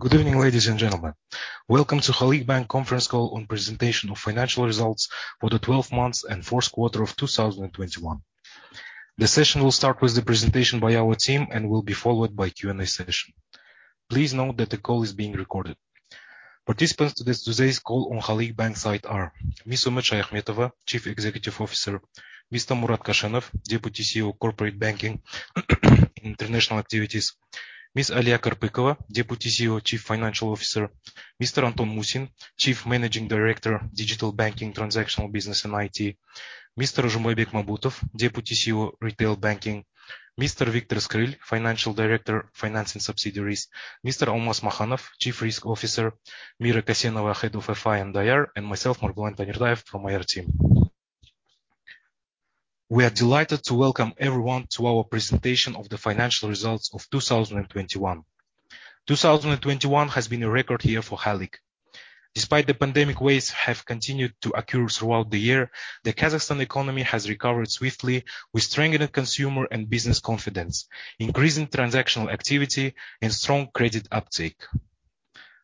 Good evening, ladies and gentlemen. Welcome to Halyk Bank conference call on presentation of financial results for the 12 months and fourth quarter of 2021. The session will start with the presentation by our team and will be followed by Q&A session. Please note that the call is being recorded. Participants to this today's call on Halyk Bank side are Miss Umut Shayakhmetova, Chief Executive Officer, Mr. Murat Koshenov, Deputy CEO, Corporate Banking International Activities, Ms. Aliya Karpykova, Deputy CEO, Chief Financial Officer, Mr. Anton Musin, Chief Managing Director, Digital Banking, Transactional Business, and IT, Mr. Zhumabek Mamutov, Deputy CEO, Retail Banking, Mr. Viktor Skryl, Financial Director, Finance and Subsidiaries, Mr. Almas Makhanov, Chief Risk Officer, Mira Kasenova, Head of FI and IR, and myself, Margulan Tanirtayev from IR team. We are delighted to welcome everyone to our presentation of the financial results of 2021. 2021 has been a record year for Halyk. Despite the pandemic waves have continued to occur throughout the year, the Kazakhstan economy has recovered swiftly with strengthened consumer and business confidence, increasing transactional activity and strong credit uptake.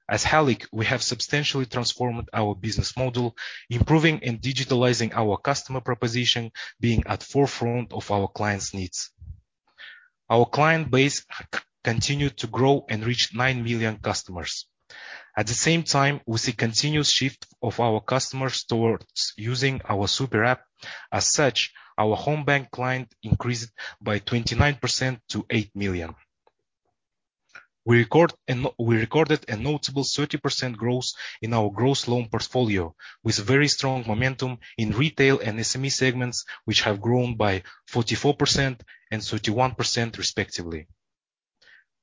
As Halyk, we have substantially transformed our business model, improving and digitalizing our customer proposition, being at forefront of our clients' needs. Our client base continued to grow and reach nine million customers. At the same time, we see continuous shift of our customers towards using our SuperApp. As such, our Homebank client increased by 29% to eight million. We recorded a notable 30% growth in our gross loan portfolio, with very strong momentum in retail and SME segments, which have grown by 44% and 31% respectively.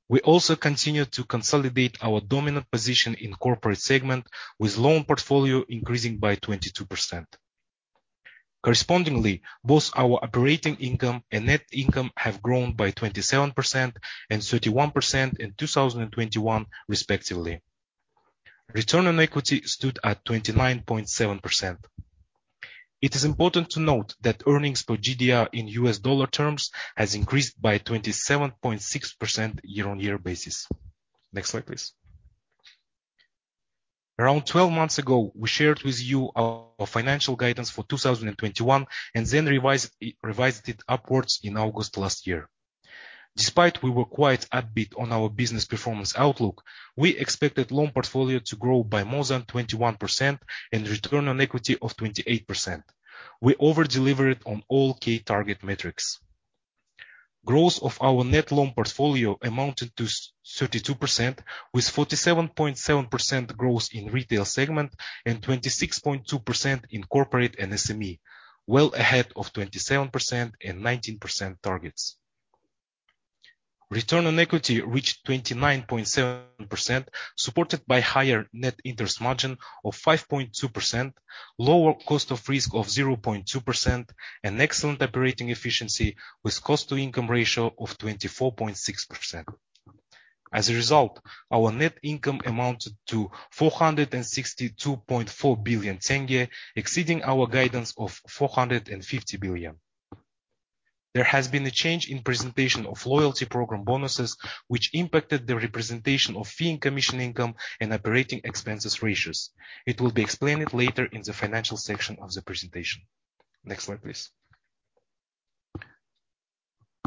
We also continue to consolidate our dominant position in corporate segment with loan portfolio increasing by 22%. Correspondingly, both our operating income and net income have grown by 27% and 31% in 2021 respectively. Return on equity stood at 29.7%. It is important to note that earnings per GDR in U.S. dollar terms has increased by 27.6% year-on-year basis. Next slide, please. Around 12 months ago, we shared with you our financial guidance for 2021 and then revised it upwards in August last year. Despite we were quite upbeat on our business performance outlook, we expected loan portfolio to grow by more than 21% and return on equity of 28%. We over-delivered on all key target metrics. Growth of our net loan portfolio amounted to 32%, with 47.7% growth in retail segment and 26.2% in corporate and SME, well ahead of 27% and 19% targets. Return on equity reached 29.7%, supported by higher net interest margin of 5.2%, lower cost of risk of 0.2%, and excellent operating efficiency with cost-to-income ratio of 24.6%. As a result, our net income amounted to KZT 462.4 billion, exceeding our guidance of KZT 450 billion. There has been a change in presentation of loyalty program bonuses, which impacted the representation of fee and commission income and operating expenses ratios. It will be explained later in the financial section of the presentation. Next slide, please.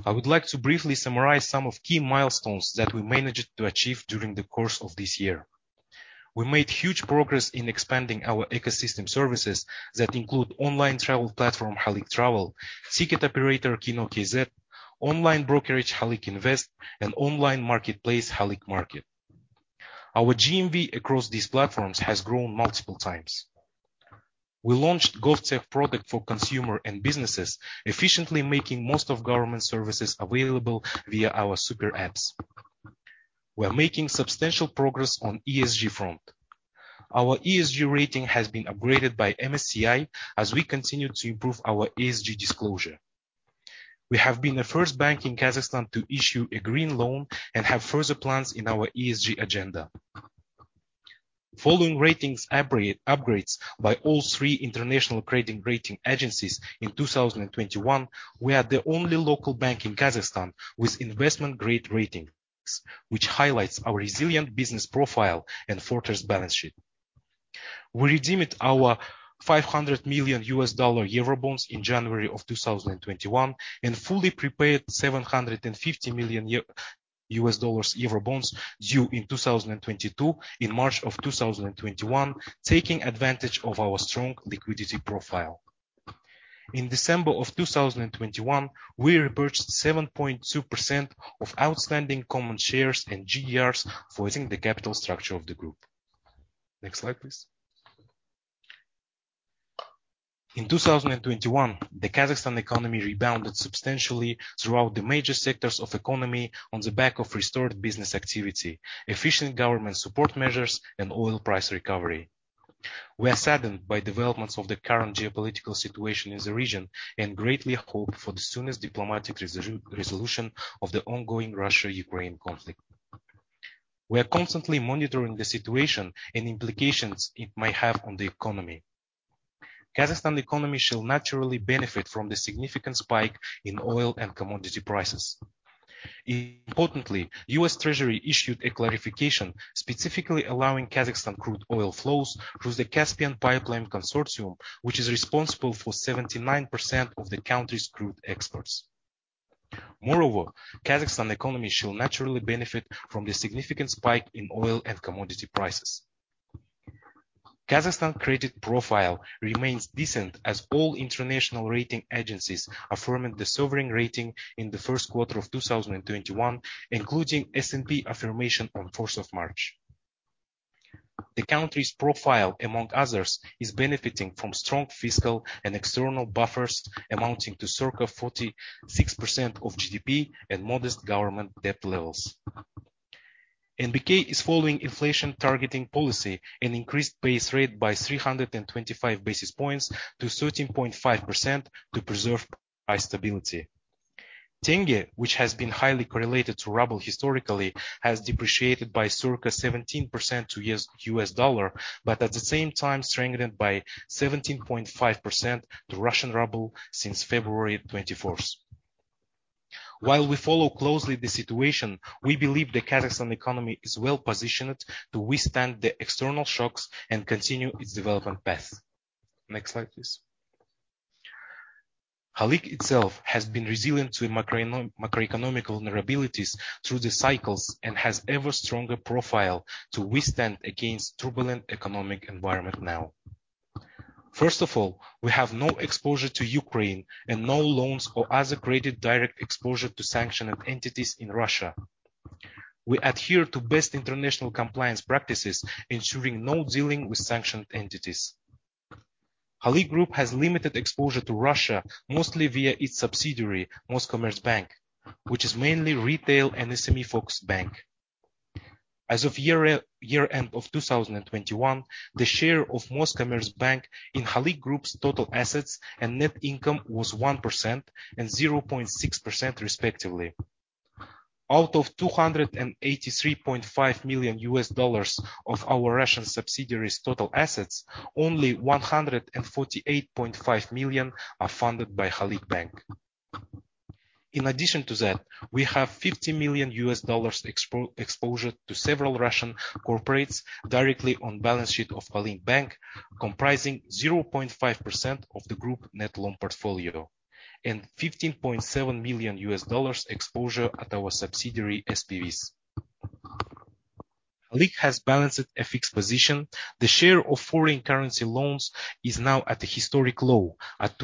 I would like to briefly summarize some of key milestones that we managed to achieve during the course of this year. We made huge progress in expanding our ecosystem services that include online travel platform Halyk Travel, ticket operator Kino.kz, online brokerage Halyk Invest, and online marketplace Halyk Market. Our GMV across these platforms has grown multiple times. We launched GovTech product for consumer and businesses, efficiently making most of government services available via our super apps. We're making substantial progress on ESG front. Our ESG rating has been upgraded by MSCI as we continue to improve our ESG disclosure. We have been the first bank in Kazakhstan to issue a green loan and have further plans in our ESG agenda. Following ratings upgrades by all three international credit rating agencies in 2021, we are the only local bank in Kazakhstan with investment-grade ratings, which highlights our resilient business profile and fortress balance sheet. We redeemed our $500 million Eurobonds in January 2021 and fully prepaid $750 million Eurobonds due in 2022 in March 2021, taking advantage of our strong liquidity profile. In December 2021, we repurchased 7.2% of outstanding common shares and GDRs, fortifying the capital structure of the group. Next slide, please. In 2021, the Kazakhstan economy rebounded substantially throughout the major sectors of economy on the back of restored business activity, efficient government support measures, and oil price recovery. We are saddened by developments of the current geopolitical situation in the region and greatly hope for the soonest diplomatic resolution of the ongoing Russia-Ukraine conflict. We are constantly monitoring the situation and implications it might have on the economy. Kazakhstan economy shall naturally benefit from the significant spike in oil and commodity prices. Importantly, U.S. Treasury issued a clarification specifically allowing Kazakhstan crude oil flows through the Caspian Pipeline Consortium, which is responsible for 79% of the country's crude exports. Moreover, Kazakhstan economy shall naturally benefit from the significant spike in oil and commodity prices. Kazakhstan credit profile remains decent as all international rating agencies affirming the sovereign rating in the first quarter of 2021, including S&P affirmation on March 4th. The country's profile, among others, is benefiting from strong fiscal and external buffers amounting to circa 46% of GDP and modest government debt levels. NBK is following inflation targeting policy and increased base rate by 325 basis points to 13.5% to preserve high stability. Tenge, which has been highly correlated to ruble historically, has depreciated by circa 17% to U.S. dollar, but at the same time strengthened by 17.5% to Russian ruble since February 24th. While we follow closely the situation, we believe the Kazakhstan economy is well positioned to withstand the external shocks and continue its development path. Next slide, please. Halyk itself has been resilient to macroeconomic vulnerabilities through the cycles and has ever stronger profile to withstand against turbulent economic environment now. First of all, we have no exposure to Ukraine and no loans or other created direct exposure to sanctioned entities in Russia. We adhere to best international compliance practices, ensuring no dealing with sanctioned entities. Halyk Group has limited exposure to Russia, mostly via its subsidiary, Moskommertsbank, which is mainly retail and SME-focused bank. As of year-end 2021, the share of Moskommertsbank in Halyk Group's total assets and net income was 1% and 0.6% respectively. Out of $283.5 million of our Russian subsidiaries' total assets, only $148.5 million are funded by Halyk Bank. In addition to that, we have $50 million exposure to several Russian corporates directly on balance sheet of Halyk Bank, comprising 0.5% of the group net loan portfolio and $15.7 million exposure at our subsidiary SPVs. Halyk has a balanced FX position. The share of foreign currency loans is now at a historic low of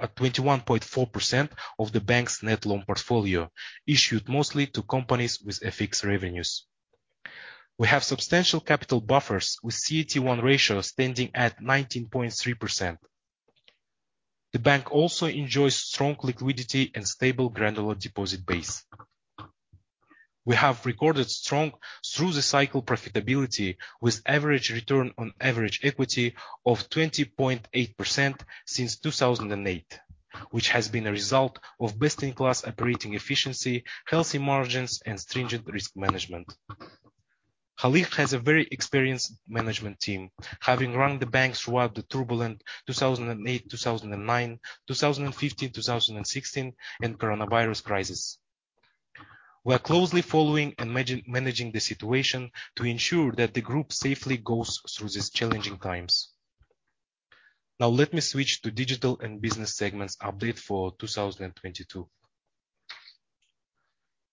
21.4% of the bank's net loan portfolio, issued mostly to companies with fixed revenues. We have substantial capital buffers with CET1 ratio standing at 19.3%. The bank also enjoys strong liquidity and stable granular deposit base. We have recorded strong through the cycle profitability with average return on average equity of 20.8% since 2008, which has been a result of best-in-class operating efficiency, healthy margins, and stringent risk management. Halyk has a very experienced management team, having run the bank throughout the turbulent 2008, 2009, 2015, 2016, and coronavirus crisis. We are closely following and managing the situation to ensure that the group safely goes through these challenging times. Now let me switch to digital and business segments update for 2022.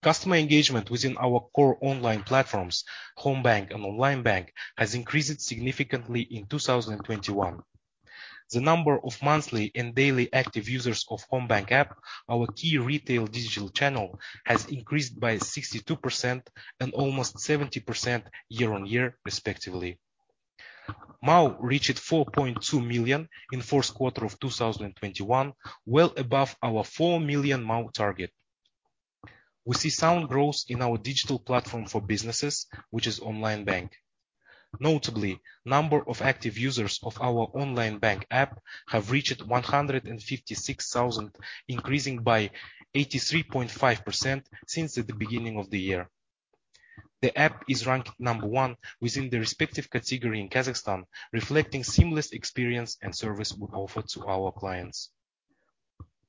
Customer engagement within our core online platforms, Halyk Homebank and Onlinebank, has increased significantly in 2021. The number of monthly and daily active users of Halyk Homebank app, our key retail digital channel, has increased by 62% and almost 70% year-on-year, respectively. MAU reached 4.2 million in fourth quarter of 2021, well above our four million MAU target. We see sound growth in our digital platform for businesses, which is Onlinebank. Notably, number of active users of our Onlinebank app have reached 156,000, increasing by 83.5% since the beginning of the year. The app is ranked number one within the respective category in Kazakhstan, reflecting seamless experience and service we offer to our clients.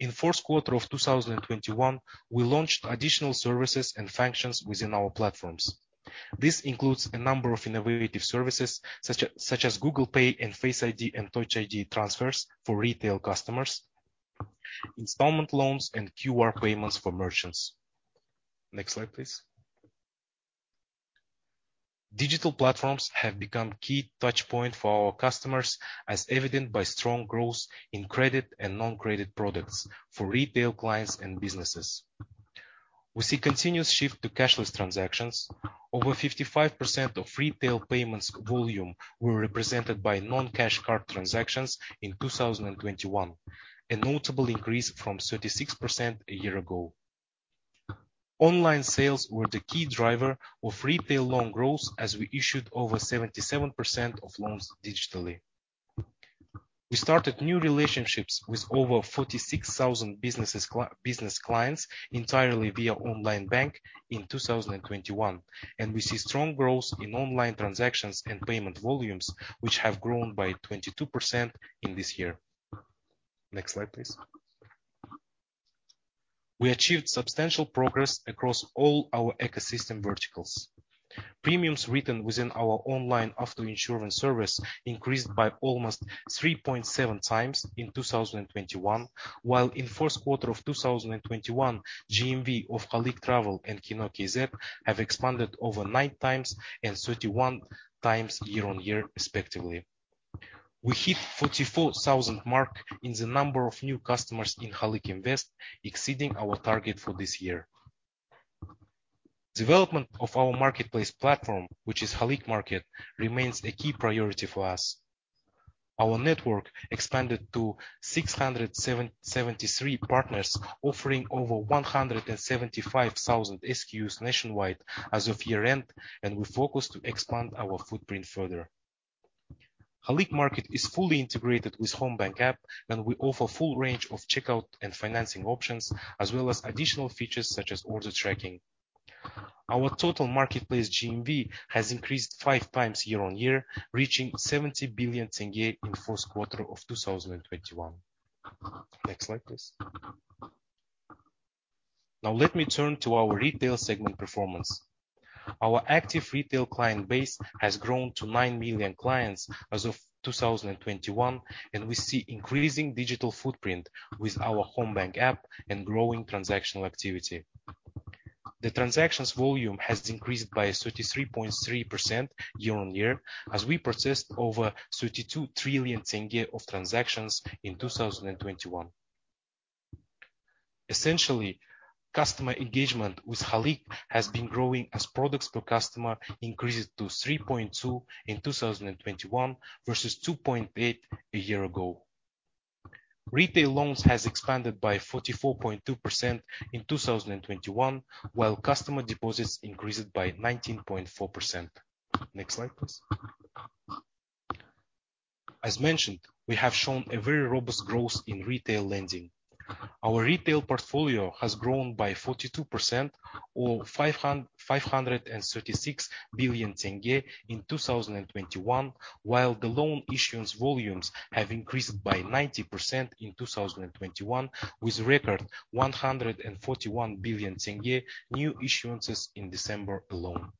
In fourth quarter of 2021, we launched additional services and functions within our platforms. This includes a number of innovative services such as Google Pay and Face ID and Touch ID transfers for retail customers, installment loans and QR payments for merchants. Next slide, please. Digital platforms have become key touch point for our customers, as evident by strong growth in credit and non-credit products for retail clients and businesses. We see continuous shift to cashless transactions. Over 55% of retail payments volume were represented by non-cash card transactions in 2021, a notable increase from 36% a year ago. Online sales were the key driver of retail loan growth as we issued over 77% of loans digitally. We started new relationships with over 46,000 business clients entirely via Onlinebank in 2021, and we see strong growth in online transactions and payment volumes, which have grown by 22% in this year. Next slide, please. We achieved substantial progress across all our ecosystem verticals. Premiums written within our online auto insurance service increased by almost 3.7 times in 2021, while in first quarter of 2021, GMV of Halyk Travel and Kino.kz have expanded over 9 times and 31 times year-on-year respectively. We hit 44,000 mark in the number of new customers in Halyk Invest, exceeding our target for this year. Development of our marketplace platform, which is Halyk Market, remains a key priority for us. Our network expanded to 673 partners, offering over 175,000 SKUs nationwide as of year-end, and we focus to expand our footprint further. Halyk Market is fully integrated with Halyk Homebank app, and we offer full range of checkout and financing options, as well as additional features such as order tracking. Our total marketplace GMV has increased five times year-on-year, reaching KZT 70 billion in first quarter of 2021. Next slide, please. Now let me turn to our retail segment performance. Our active retail client base has grown to nine million clients as of 2021, and we see increasing digital footprint with our Homebank app and growing transactional activity. The transactions volume has increased by 33.3% year on year as we processed over 32 trillion KZT of transactions in 2021. Essentially, customer engagement with Halyk has been growing as products per customer increased to 3.2 in 2021 versus 2.8 a year ago. Retail loans has expanded by 44.2% in 2021, while customer deposits increased by 19.4%. Next slide, please. As mentioned, we have shown a very robust growth in retail lending. Our retail portfolio has grown by 42% or KZT 536 billion in 2021, while the loan issuance volumes have increased by 90% in 2021 with record KZT 141 billion new issuances in December alone.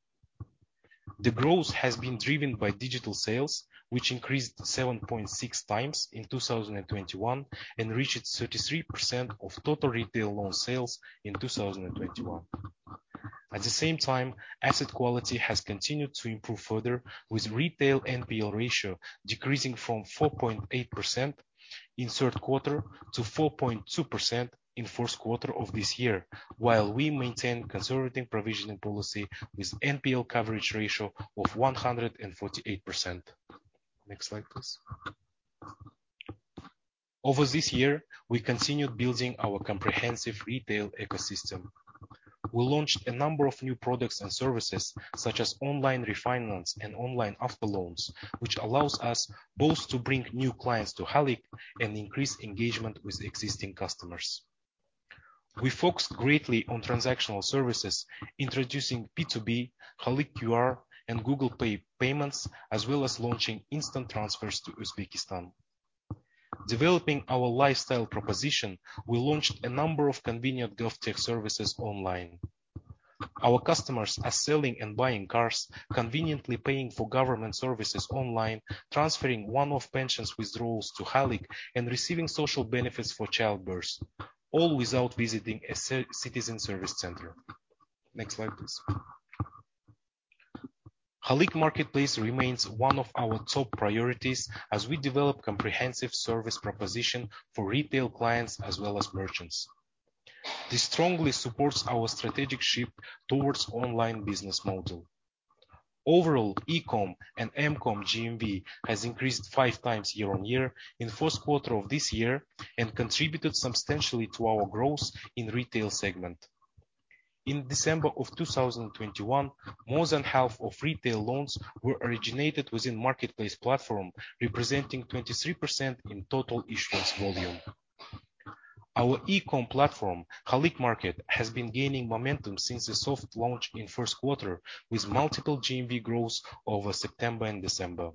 The growth has been driven by digital sales, which increased 7.6 times in 2021 and reached 33% of total retail loan sales in 2021. At the same time, asset quality has continued to improve further with retail NPL ratio decreasing from 4.8% in third quarter to 4.2% in first quarter of this year. While we maintain conservative provisioning policy with NPL coverage ratio of 148%. Next slide, please. Over this year, we continued building our comprehensive retail ecosystem. We launched a number of new products and services such as online refinance and online auto loans, which allows us both to bring new clients to Halyk and increase engagement with existing customers. We focused greatly on transactional services, introducing P2B, Halyk QR, and Google Pay payments, as well as launching instant transfers to Uzbekistan. Developing our lifestyle proposition, we launched a number of convenient GovTech services online. Our customers are selling and buying cars, conveniently paying for government services online, transferring one-off pensions withdrawals to Halyk and receiving social benefits for childbirth, all without visiting a citizen service center. Next slide, please. Halyk Market remains one of our top priorities as we develop comprehensive service proposition for retail clients as well as merchants. This strongly supports our strategic shift towards online business model. Overall, eCom and mCom GMV has increased five times year-over-year in first quarter of this year and contributed substantially to our growth in retail segment. In December 2021, more than half of retail loans were originated within marketplace platform, representing 23% in total issuance volume. Our eCom platform, Halyk Market, has been gaining momentum since the soft launch in first quarter with multiple GMV growth over September and December.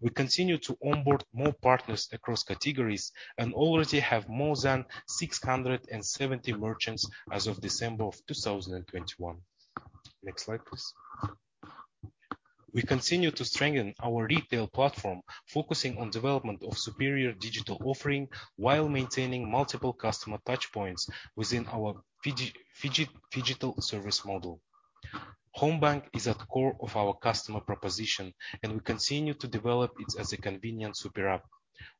We continue to onboard more partners across categories and already have more than 670 merchants as of December 2021. Next slide, please. We continue to strengthen our retail platform, focusing on development of superior digital offering while maintaining multiple customer touch points within our phygital service model. Homebank is at core of our customer proposition, and we continue to develop it as a convenient super app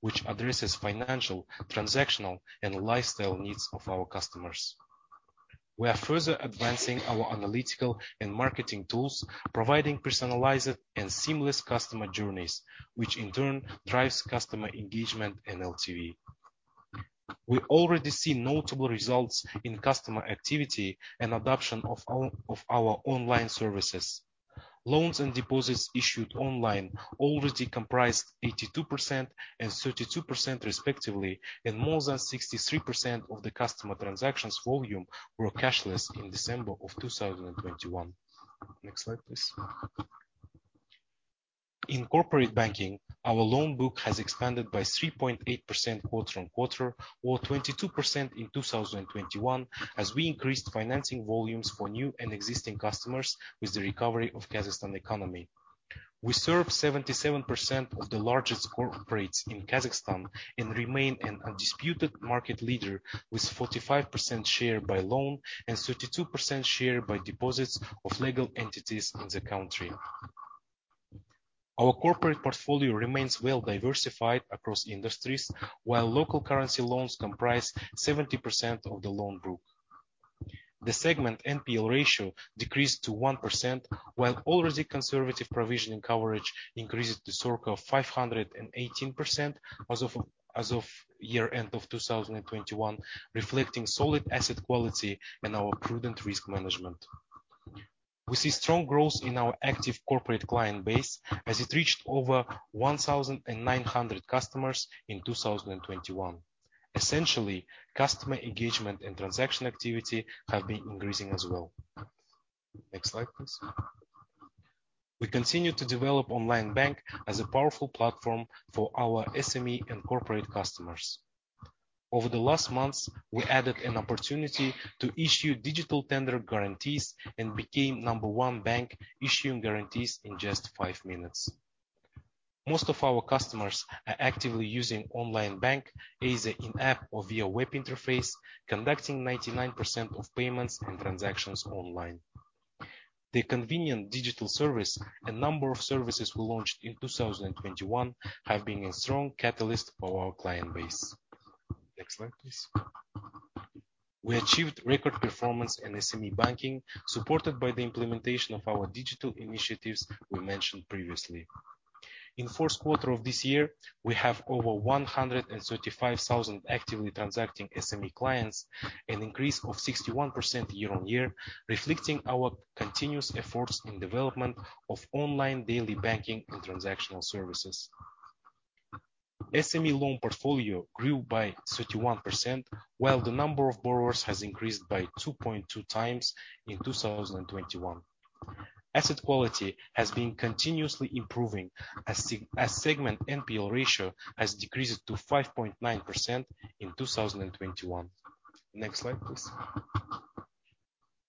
which addresses financial, transactional, and lifestyle needs of our customers. We are further advancing our analytical and marketing tools, providing personalized and seamless customer journeys, which in turn drives customer engagement and LTV. We already see notable results in customer activity and adoption of our online services. Loans and deposits issued online already comprise 82% and 32% respectively, and more than 63% of the customer transactions volume were cashless in December 2021. Next slide, please. In corporate banking, our loan book has expanded by 3.8% quarter-on-quarter, or 22% in 2021, as we increased financing volumes for new and existing customers with the recovery of Kazakhstan economy. We serve 77% of the largest corporates in Kazakhstan and remain an undisputed market leader with 45% share by loan and 32% share by deposits of legal entities in the country. Our corporate portfolio remains well diversified across industries, while local currency loans comprise 70% of the loan book. The segment NPL ratio decreased to 1%, while already conservative provisioning coverage increased to circa 518% as of year-end of 2021, reflecting solid asset quality and our prudent risk management. We see strong growth in our active corporate client base as it reached over 1,900 customers in 2021. Essentially, customer engagement and transaction activity have been increasing as well. Next slide, please. We continue to develop Onlinebank as a powerful platform for our SME and corporate customers. Over the last months, we added an opportunity to issue digital tender guarantees and became number one bank issuing guarantees in just 5 minutes. Most of our customers are actively using Onlinebank, either in app or via web interface, conducting 99% of payments and transactions online. The convenient digital service and number of services we launched in 2021 have been a strong catalyst for our client base. Next slide, please. We achieved record performance in SME banking, supported by the implementation of our digital initiatives we mentioned previously. In first quarter of this year, we have over 135,000 actively transacting SME clients, an increase of 61% year-on-year, reflecting our continuous efforts in development of online daily banking and transactional services. SME loan portfolio grew by 31%, while the number of borrowers has increased by 2.2 times in 2021. Asset quality has been continuously improving as segment NPL ratio has decreased to 5.9% in 2021. Next slide, please.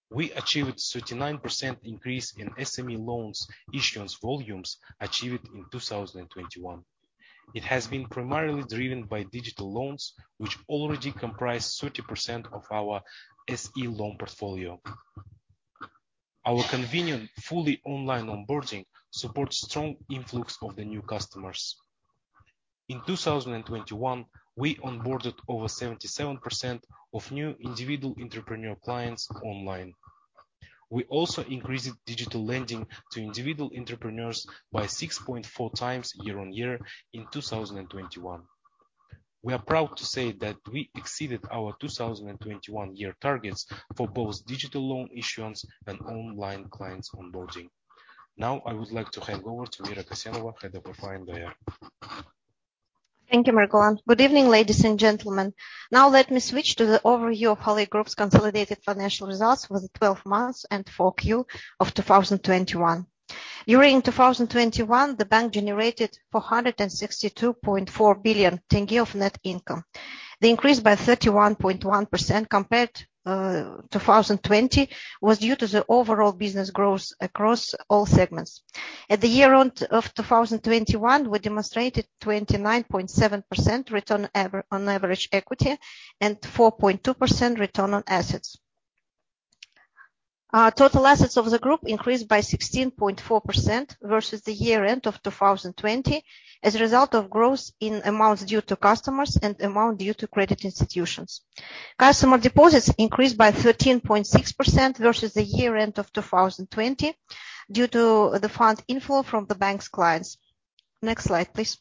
We achieved 39% increase in SME loans issuance volumes achieved in 2021. It has been primarily driven by digital loans, which already comprise 30% of our SME loan portfolio. Our convenient fully online onboarding supports strong influx of the new customers. In 2021, we onboarded over 77% of new individual entrepreneur clients online. We also increased digital lending to individual entrepreneurs by 6.4 times year-on-year in 2021. We are proud to say that we exceeded our 2021 year targets for both digital loan issuance and online clients onboarding. Now I would like to hand over to Mira Kasenova, Head of IR. Thank you, Margulan. Good evening, ladies and gentlemen. Now let me switch to the overview of Halyk Group's consolidated financial results for the 12 months and 4Q of 2021. During 2021, the bank generated KZT 462.4 billion of net income. The increase by 31.1% compared to 2020 was due to the overall business growth across all segments. At the year end of 2021, we demonstrated 29.7% return on average equity and 4.2% return on assets. Our total assets of the group increased by 16.4% versus the year end of 2020 as a result of growth in amounts due to customers and amount due to credit institutions. Customer deposits increased by 13.6% versus the year-end of 2020 due to the fund inflow from the bank's clients. Next slide, please.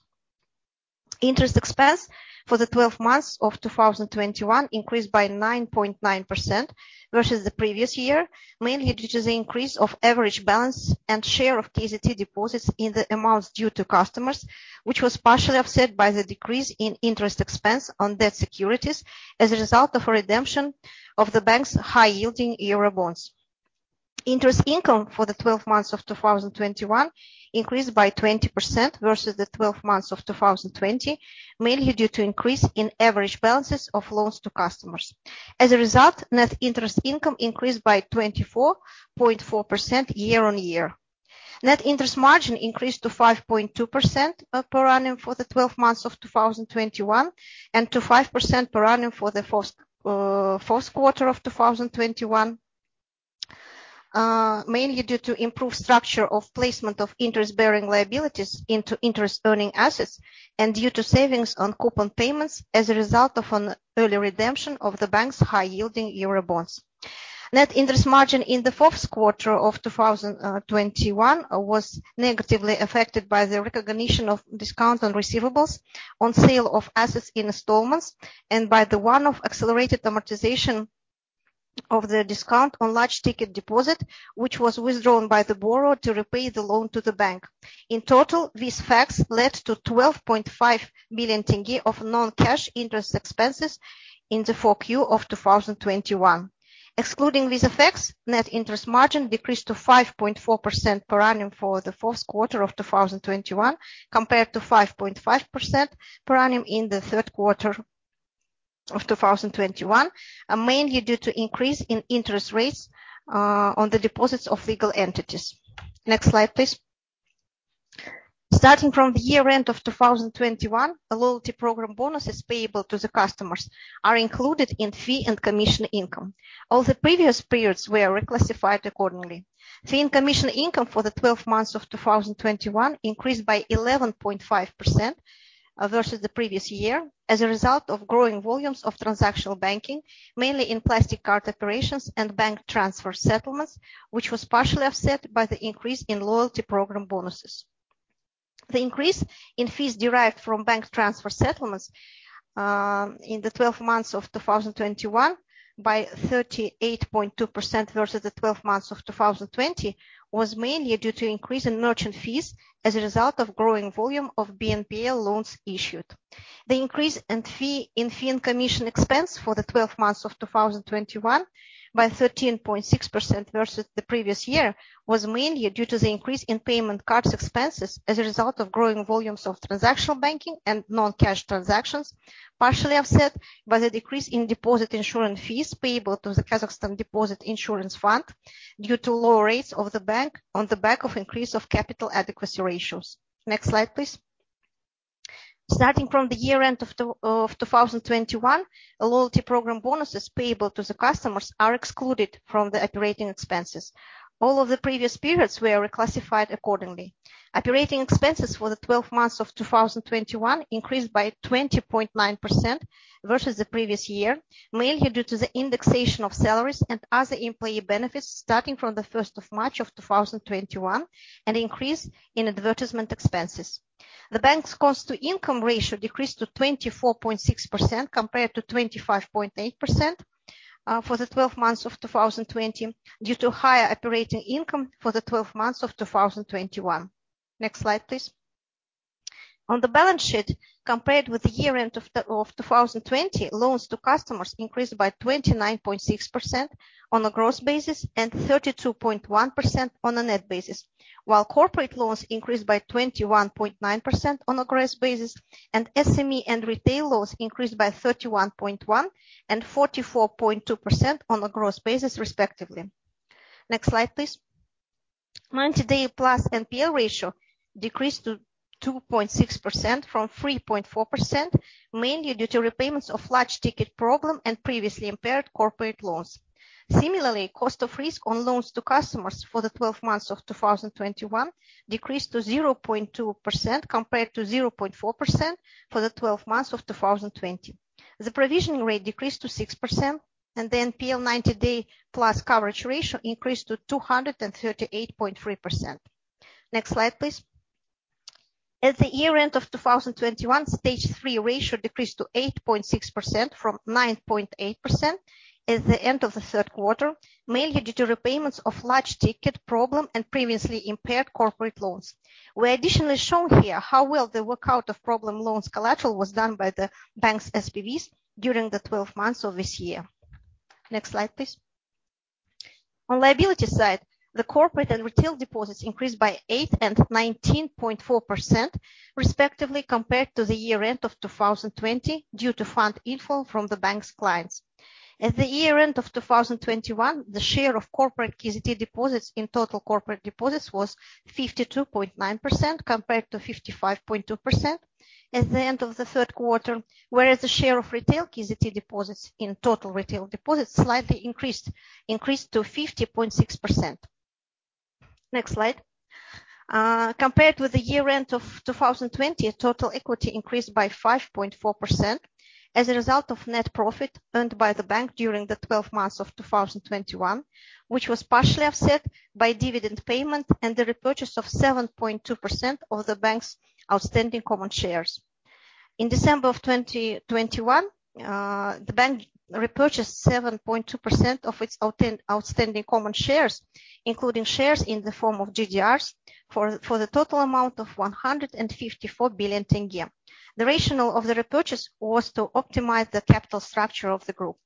Interest expense for the 12 months of 2021 increased by 9.9% versus the previous year, mainly due to the increase of average balance and share of KZT deposits in the amounts due to customers, which was partially offset by the decrease in interest expense on debt securities as a result of a redemption of the bank's high-yielding Eurobonds. Interest income for the 12 months of 2021 increased by 20% versus the 12 months of 2020, mainly due to increase in average balances of loans to customers. As a result, net interest income increased by 24.4% year-on-year. Net interest margin increased to 5.2% per annum for the 12 months of 2021 and to 5% per annum for the first quarter of 2021, mainly due to improved structure of placement of interest bearing liabilities into interest earning assets and due to savings on coupon payments as a result of an early redemption of the bank's high yielding Eurobonds. Net interest margin in the fourth quarter of 2021 was negatively affected by the recognition of discount on receivables on sale of assets installments and by the one-off accelerated amortization of the discount on large ticket deposit, which was withdrawn by the borrower to repay the loan to the bank. In total, these facts led to KZT 12.5 billion of non-cash interest expenses in the Q4 of 2021. Excluding these effects, net interest margin decreased to 5.4% per annum for the fourth quarter of 2021, compared to 5.5% per annum in the third quarter of 2021, mainly due to increase in interest rates on the deposits of legal entities. Next slide, please. Starting from the year-end of 2021, the loyalty program bonuses payable to the customers are included in fee and commission income. All the previous periods were reclassified accordingly. Fee and commission income for the 12 months of 2021 increased by 11.5%, versus the previous year as a result of growing volumes of transactional banking, mainly in plastic card operations and bank transfer settlements, which was partially offset by the increase in loyalty program bonuses. The increase in fees derived from bank transfer settlements in the 12 months of 2021 by 38.2% versus the 12 months of 2020 was mainly due to increase in merchant fees as a result of growing volume of BNPL loans issued. The increase in fee and commission expense for the 12 months of 2021 by 13.6% versus the previous year was mainly due to the increase in payment cards expenses as a result of growing volumes of transactional banking and non-cash transactions, partially offset by the decrease in deposit insurance fees payable to the Kazakhstan Deposit Insurance Fund due to low rates of the bank on the back of increase of capital adequacy ratios. Next slide, please. Starting from year-end 2021, the loyalty program bonuses payable to the customers are excluded from the operating expenses. All of the previous periods were reclassified accordingly. Operating expenses for the 12 months of 2021 increased by 20.9% versus the previous year, mainly due to the indexation of salaries and other employee benefits starting from March 1st, 2021 and increase in advertisement expenses. The bank's cost-to-income ratio decreased to 24.6% compared to 25.8% for the 12 months of 2020 due to higher operating income for the 12 months of 2021. Next slide, please. On the balance sheet, compared with the year-end of 2020, loans to customers increased by 29.6% on a gross basis and 32.1% on a net basis, while corporate loans increased by 21.9% on a gross basis, and SME and retail loans increased by 31.1% and 44.2% on a gross basis respectively. Next slide, please. Ninety-day plus NPL ratio decreased to 2.6% from 3.4%, mainly due to repayments of large ticket problem and previously impaired corporate loans. Similarly, cost of risk on loans to customers for the 12 months of 2021 decreased to 0.2% compared to 0.4% for the 12 months of 2020. The provisioning rate decreased to 6%, and the NPL 90-day plus coverage ratio increased to 238.3%. Next slide, please. At the year-end of 2021, stage three ratio decreased to 8.6% from 9.8% at the end of the third quarter, mainly due to repayments of large ticket problem and previously impaired corporate loans. We additionally shown here how well the workout of problem loans collateral was done by the bank's SPVs during the 12 months of this year. Next slide, please. On liability side, the corporate and retail deposits increased by 8% and 19.4% respectively compared to the year-end of 2020 due to fund inflow from the bank's clients. At the year-end of 2021, the share of corporate KZT deposits in total corporate deposits was 52.9% compared to 55.2% at the end of the third quarter, whereas the share of retail KZT deposits in total retail deposits slightly increased to 50.6%. Next slide. Compared with the year-end of 2020, total equity increased by 5.4% as a result of net profit earned by the bank during the 12 months of 2021, which was partially offset by dividend payment and the repurchase of 7.2% of the bank's outstanding common shares. In December of 2021, the bank repurchased 7.2% of its outstanding common shares, including shares in the form of GDRs for the total amount of KZT 154 billion. The rationale of the repurchase was to optimize the capital structure of the group.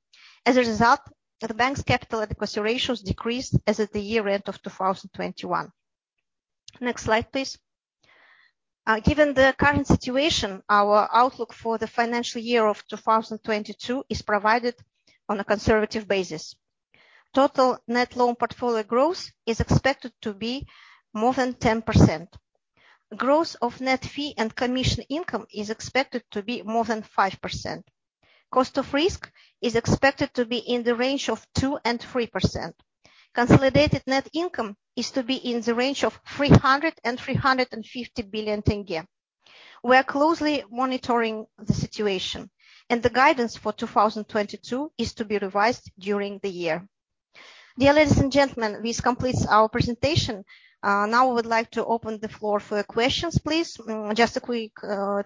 As a result, the bank's capital adequacy ratios decreased as at the year-end of 2021. Next slide, please. Given the current situation, our outlook for the financial year of 2022 is provided on a conservative basis. Total net loan portfolio growth is expected to be more than 10%. Growth of net fee and commission income is expected to be more than 5%. Cost of risk is expected to be in the range of 2%-3%. Consolidated net income is to be in the range of KZT 300 billion-KZT 350 billion. We are closely monitoring the situation, and the guidance for 2022 is to be revised during the year. Dear ladies and gentlemen, this completes our presentation. Now we would like to open the floor for questions, please. Just a quick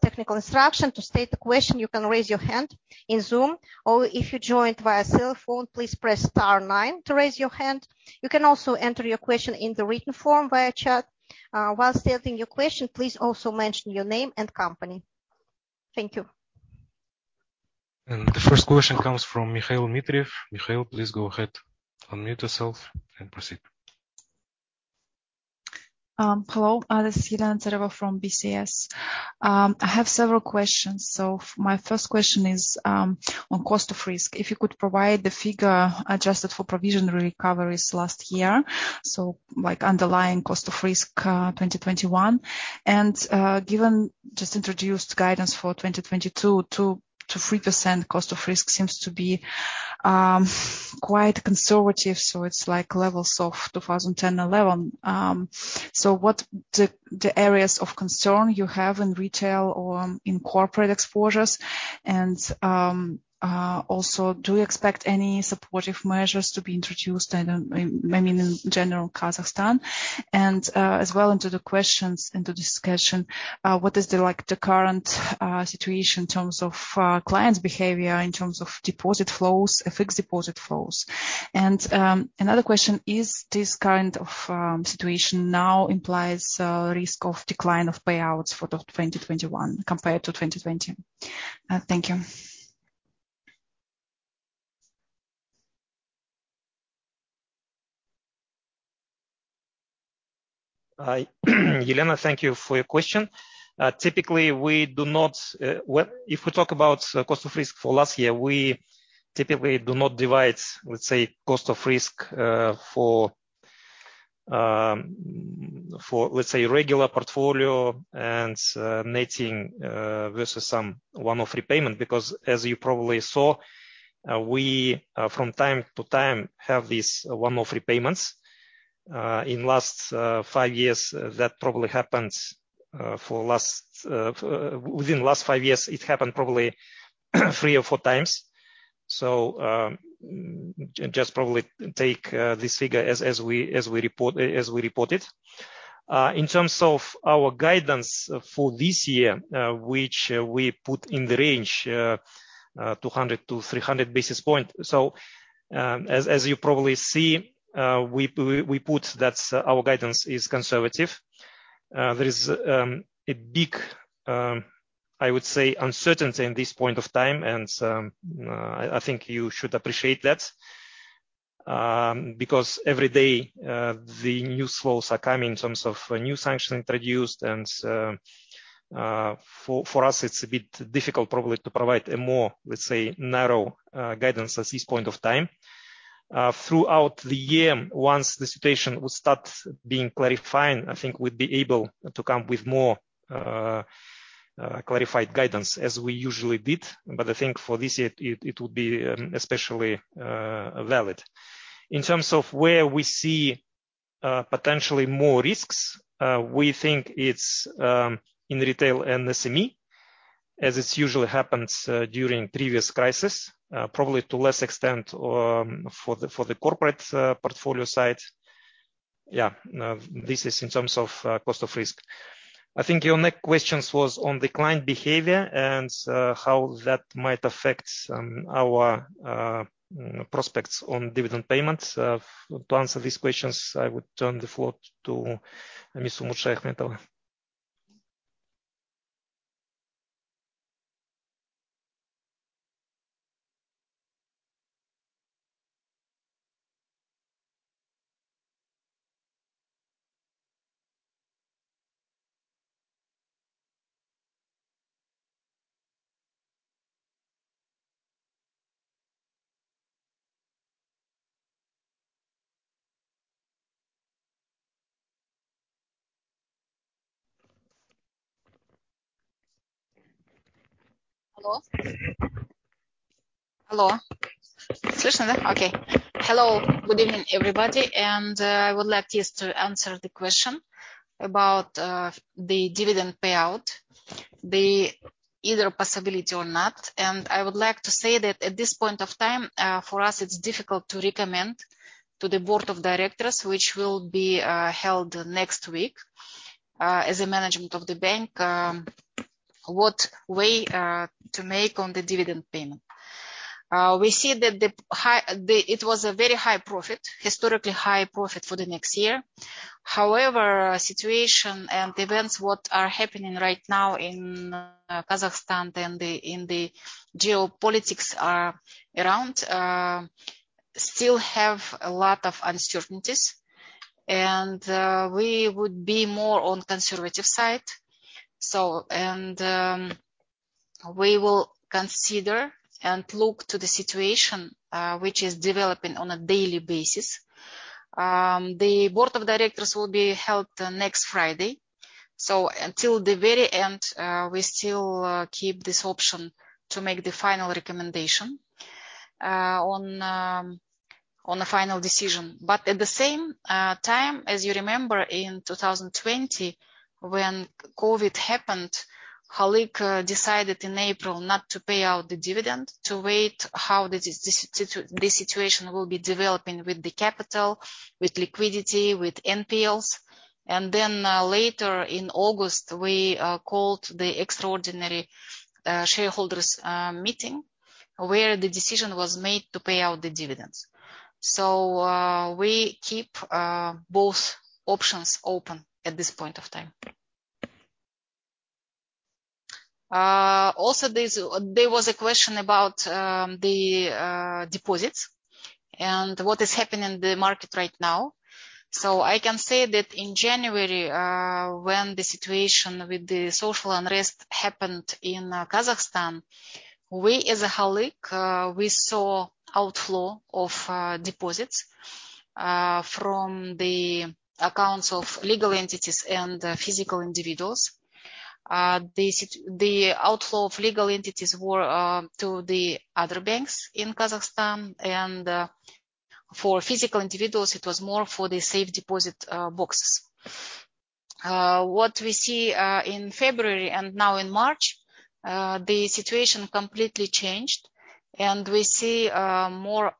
technical instruction. To state the question, you can raise your hand in Zoom, or if you joined via cell phone, please press star nine to raise your hand. You can also enter your question in the written form via chat. While stating your question, please also mention your name and company. Thank you. The first question comes from Mikhail Dmitriev. Mikhail, please go ahead. Unmute yourself and proceed. Hello, this is Elena Tsareva from BCS. I have several questions. My first question is on cost of risk. If you could provide the figure adjusted for provisionary recoveries last year, so like underlying cost of risk 2021. Given just introduced guidance for 2022, 2%-3% cost of risk seems to be quite conservative, so it's like levels of 2010, 2011. What the areas of concern you have in retail or in corporate exposures? Also, do you expect any supportive measures to be introduced? I mean in general Kazakhstan. As well into the discussion, what is like the current situation in terms of clients' behavior, in terms of deposit flows, fixed deposit flows? Another question, is this kind of situation now implies risk of decline of payouts for 2021 compared to 2020? Thank you. Elena, thank you for your question. Typically, well, if we talk about cost of risk for last year, we typically do not divide, let's say, cost of risk for regular portfolio and netting versus some one-off repayment. Because as you probably saw, we from time to time have these one-off repayments. Within the last five years, it happened probably three or four times. Just probably take this figure as we report it. In terms of our guidance for this year, which we put in the range 200-300 basis points. As you probably see, we put that our guidance is conservative. There is a big, I would say, uncertainty at this point in time, and I think you should appreciate that, because every day the news flows are coming in terms of new sanctions introduced. For us, it's a bit difficult probably to provide a more, let's say, narrow guidance at this point in time. Throughout the year, once the situation will start being clarified, I think we'd be able to come with more clarified guidance as we usually did. I think for this year it would be especially valid. In terms of where we see potentially more risks, we think it's in retail and SME, as it usually happens during previous crisis, probably to less extent, for the corporate portfolio side. This is in terms of cost of risk. I think your next questions was on the client behavior and how that might affect our prospects on dividend payments. To answer these questions, I would turn the floor to Ms. Umut Shayakhmetova. Hello, good evening, everybody. I would like just to answer the question about the dividend payout, the either possibility or not. I would like to say that at this point of time, for us, it's difficult to recommend to the board of directors, which will be held next week, as a management of the bank, what way to make on the dividend payment. We see that it was a very high profit, historically high profit for the next year. However, situation and events what are happening right now in Kazakhstan and in the geopolitics around still have a lot of uncertainties. We would be more on conservative side. We will consider and look to the situation which is developing on a daily basis. The Board of Directors will be held next Friday. Until the very end, we still keep this option to make the final recommendation on the final decision. At the same time, as you remember, in 2020, when COVID happened, Halyk decided in April not to pay out the dividend, to wait how this situation will be developing with the capital, with liquidity, with NPLs. Later in August, we called the extraordinary shareholders meeting, where the decision was made to pay out the dividends. We keep both options open at this point of time. Also, there was a question about the deposits and what is happening in the market right now. I can say that in January, when the situation with the social unrest happened in Kazakhstan, we as Halyk saw outflow of deposits from the accounts of legal entities and physical individuals. The outflow of legal entities were to the other banks in Kazakhstan and, for physical individuals, it was more for the safe deposit boxes. What we see in February and now in March, the situation completely changed, and we see more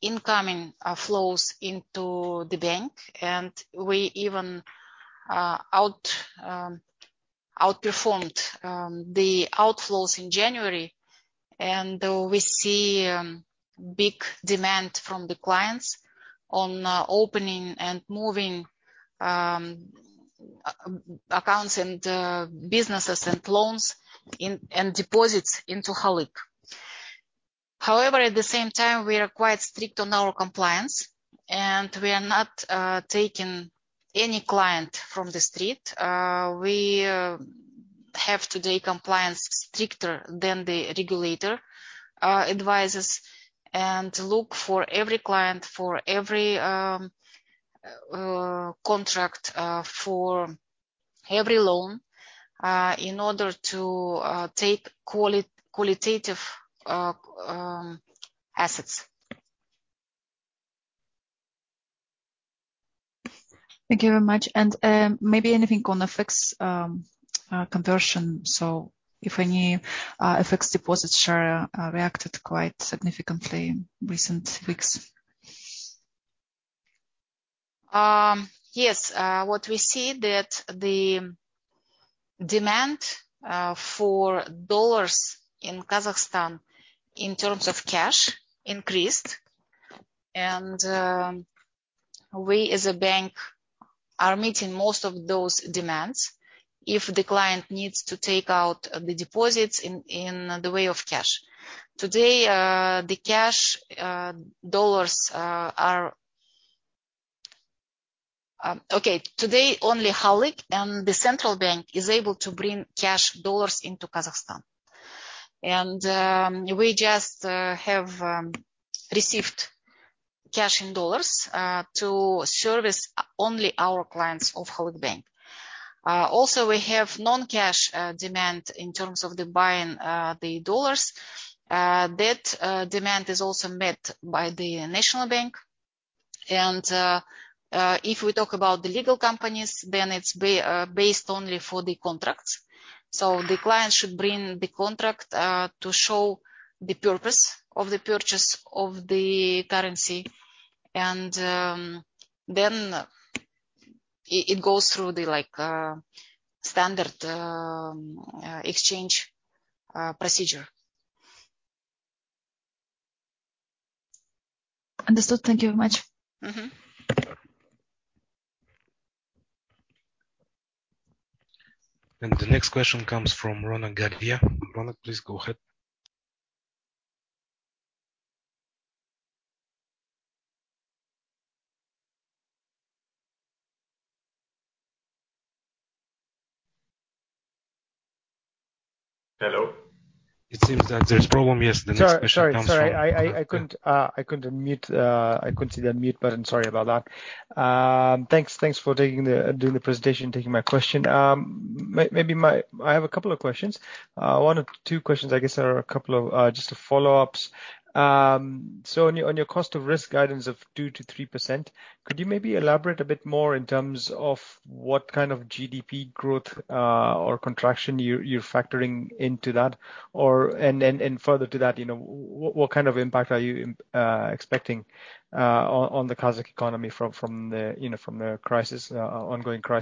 incoming flows into the bank, and we even outperformed the outflows in January. We see big demand from the clients on opening and moving accounts and businesses and loans and deposits into Halyk. However, at the same time, we are quite strict on our compliance, and we are not taking any client from the street. We have today compliance stricter than the regulator advises, and look for every client, for every contract, for every loan, in order to take qualitative assets. Thank you very much. Maybe anything on FX conversion. If any FX deposits sure reacted quite significantly in recent weeks. Yes. What we see that the demand for dollars in Kazakhstan in terms of cash increased. We as a bank are meeting most of those demands if the client needs to take out the deposits in the way of cash. Today, only Halyk and the central bank is able to bring cash dollars into Kazakhstan. We just have received cash in dollars to service only our clients of Halyk Bank. Also we have non-cash demand in terms of the buying the dollars. That demand is also met by the national bank. If we talk about the legal companies, then it's based only for the contracts. The client should bring the contract to show the purpose of the purchase of the currency. Then it goes through the, like, standard exchange procedure. Understood. Thank you very much. The next question comes from Ronak Gadhia. Ronak, please go ahead. Hello? It seems that there's a problem. Yes, the next question comes from. Sorry. I couldn't mute. I couldn't see the mute button. Sorry about that. Thanks for doing the presentation, taking my question. I have a couple of questions. One or two questions, I guess, or a couple of just follow-ups. On your cost of risk guidance of 2%-3%, could you maybe elaborate a bit more in terms of what kind of GDP growth or contraction you're factoring into that? Further to that, what kind of impact are you expecting on the Kazakh economy from the ongoing crisis?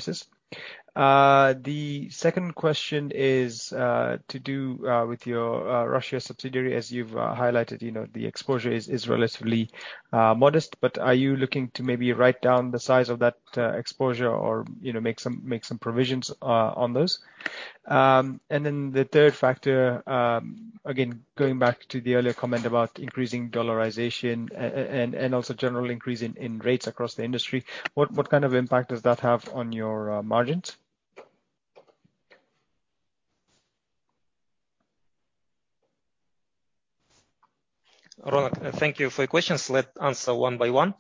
The second question is to do with your Russian subsidiary. As you've highlighted, you know, the exposure is relatively modest, but are you looking to maybe write down the size of that exposure or, you know, make some provisions on those? The third factor, again, going back to the earlier comment about increasing dollarization and also general increase in rates across the industry, what kind of impact does that have on your margins? Ronak, thank you for your questions. Let's answer one by one.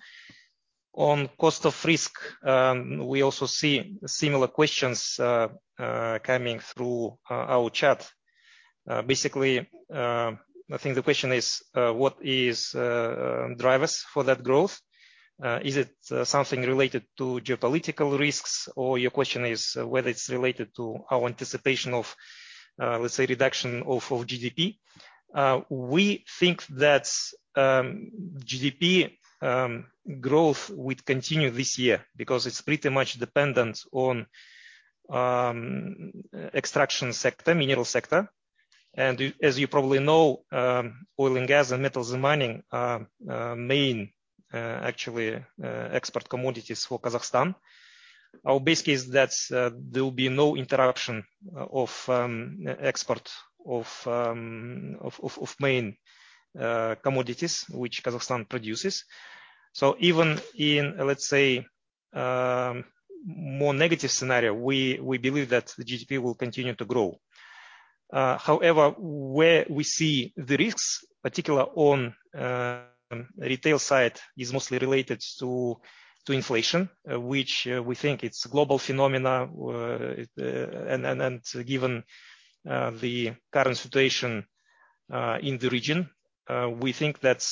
On cost of risk, we also see similar questions coming through our chat. Basically, I think the question is, what is drivers for that growth? Is it something related to geopolitical risks? Or your question is whether it's related to our anticipation of, let's say, reduction of GDP. We think that GDP growth will continue this year because it's pretty much dependent on extraction sector, mineral sector. As you probably know, oil and gas and metals and mining are main, actually, export commodities for Kazakhstan. Our base case, that's there will be no interruption of export of main commodities which Kazakhstan produces. Even in, let's say, more negative scenario, we believe that the GDP will continue to grow. However, where we see the risks, particularly on retail side, is mostly related to inflation, which we think is global phenomenon. Given the current situation in the region, we think that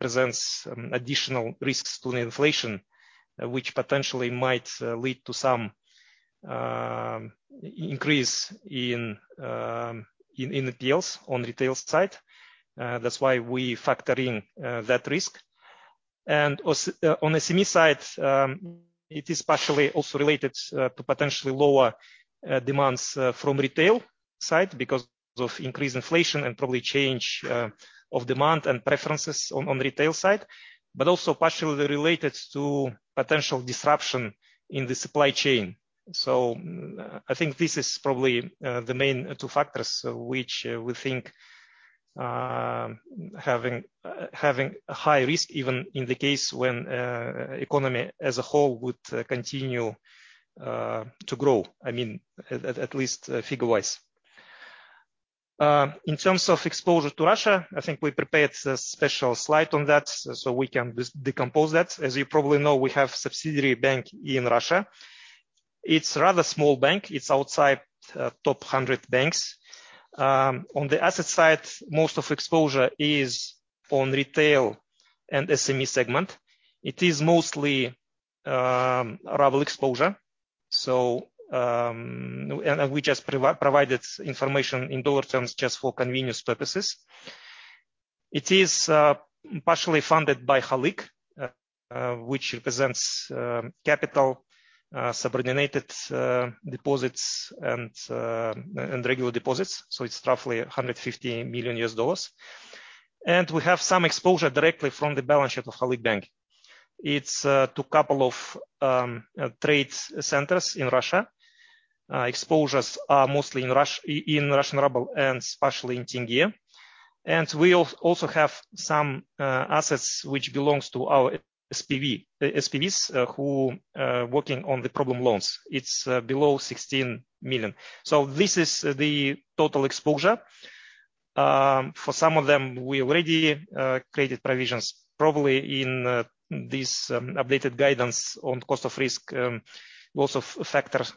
presents additional risks to the inflation, which potentially might lead to some increase in NPLs on retail side. That's why we factor in that risk. On SME side, it is partially also related to potentially lower demands from retail side because of increased inflation and probably change of demand and preferences on retail side, but also partially related to potential disruption in the supply chain. I think this is probably the main two factors which we think having a high risk, even in the case when economy as a whole would continue to grow. I mean, at least figure-wise. In terms of exposure to Russia, I think we prepared a special slide on that so we can decompose that. As you probably know, we have subsidiary bank in Russia. It's rather small bank. It's outside top 100 banks. On the asset side, most of exposure is on retail and SME segment. It is mostly ruble exposure. And we just provided information in dollar terms just for convenience purposes. It is partially funded by Halyk, which represents capital subordinated deposits and regular deposits, so it's roughly $150 million. We have some exposure directly from the balance sheet of Halyk Bank. It's to a couple of trades centers in Russia. Exposures are mostly in Russian ruble and partially in tenge. We also have some assets which belongs to our SPV, SPVs who working on the problem loans. It's below $16 million. This is the total exposure. For some of them, we already created provisions, probably in this updated guidance on cost of risk. Lots of factors,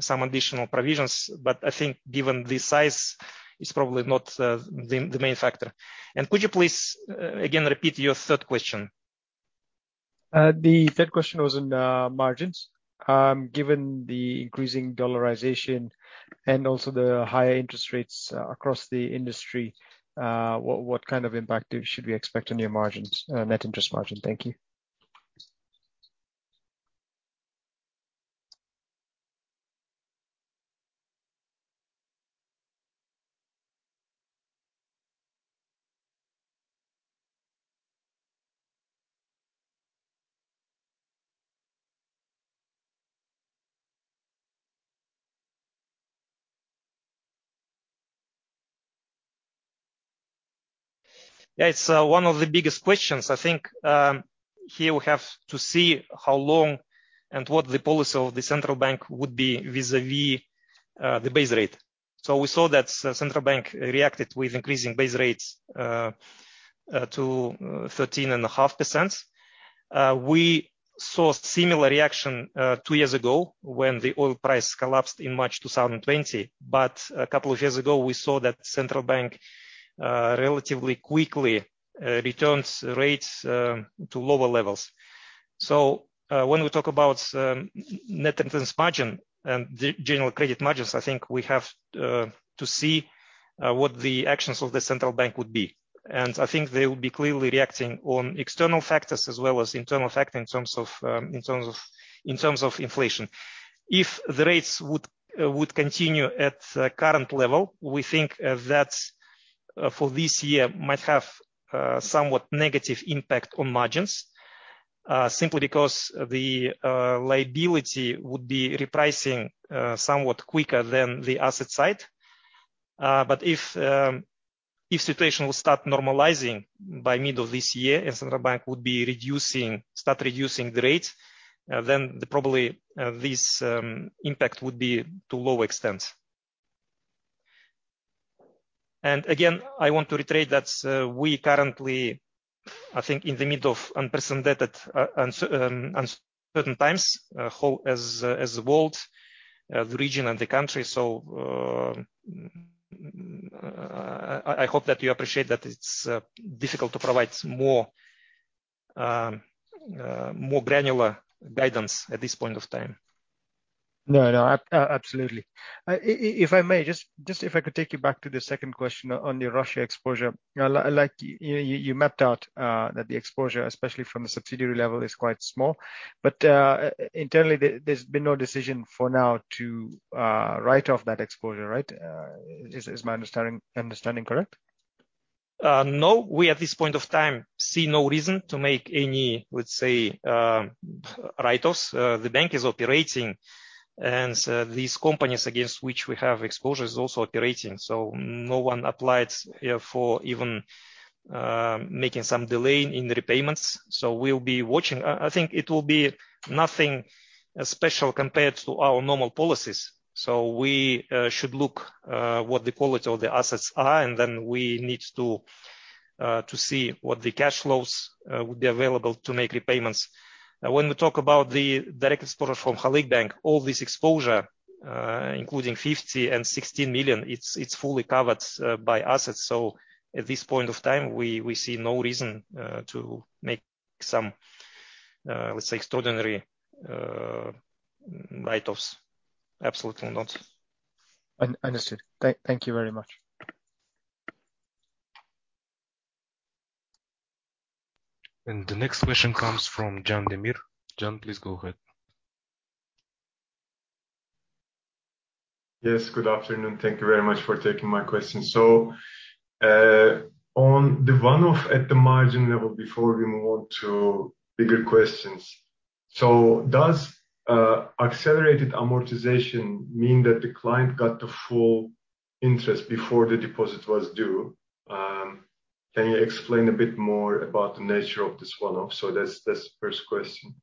some additional provisions, but I think given the size, it's probably not the main factor. Could you please, again, repeat your third question? The third question was on margins. Given the increasing dollarization and also the higher interest rates across the industry, what kind of impact should we expect on your margins, net interest margin? Thank you. Yeah. It's one of the biggest questions. I think, here we have to see how long and what the policy of the central bank would be vis-à-vis, the base rate. We saw that central bank reacted with increasing base rates to 13.5%. We saw similar reaction two years ago when the oil price collapsed in March 2020. A couple of years ago, we saw that central bank relatively quickly returns rates to lower levels. When we talk about net interest margin and the general credit margins, I think we have to see what the actions of the central bank would be. I think they will be clearly reacting on external factors as well as internal factors in terms of inflation. If the rates would continue at current level, we think that for this year might have somewhat negative impact on margins simply because the liability would be repricing somewhat quicker than the asset side. If situation will start normalizing by middle of this year and central bank would start reducing the rates, then probably this impact would be to low extent. I want to reiterate that we currently, I think, in the middle of unprecedented uncertain times, the whole world, the region and the country. I hope that you appreciate that it's difficult to provide more granular guidance at this point of time. No, absolutely. If I may, just if I could take you back to the second question on your Russia exposure. Like, you mapped out that the exposure, especially from the subsidiary level, is quite small. Internally, there's been no decision for now to write off that exposure, right? Is my understanding correct? No, we at this point of time see no reason to make any, let's say, write-offs. The bank is operating, and so these companies against which we have exposure is also operating. No one applied here for even making some delay in the repayments. We'll be watching. I think it will be nothing special compared to our normal policies. We should look what the quality of the assets are, and then we need to see what the cash flows would be available to make repayments. When we talk about the direct exposure from Halyk Bank, all this exposure, including KZT 50 million and KZT 16 million, it's fully covered by assets. At this point of time, we see no reason to make some, let's say, extraordinary write-offs. Absolutely not. Understood. Thank you very much. The next question comes from Can Demir. Can, please go ahead. Yes, good afternoon. Thank you very much for taking my question. On the one-off at the margin level before we move on to bigger questions. Does accelerated amortization mean that the client got the full interest before the deposit was due? Can you explain a bit more about the nature of this one-off? That's the first question.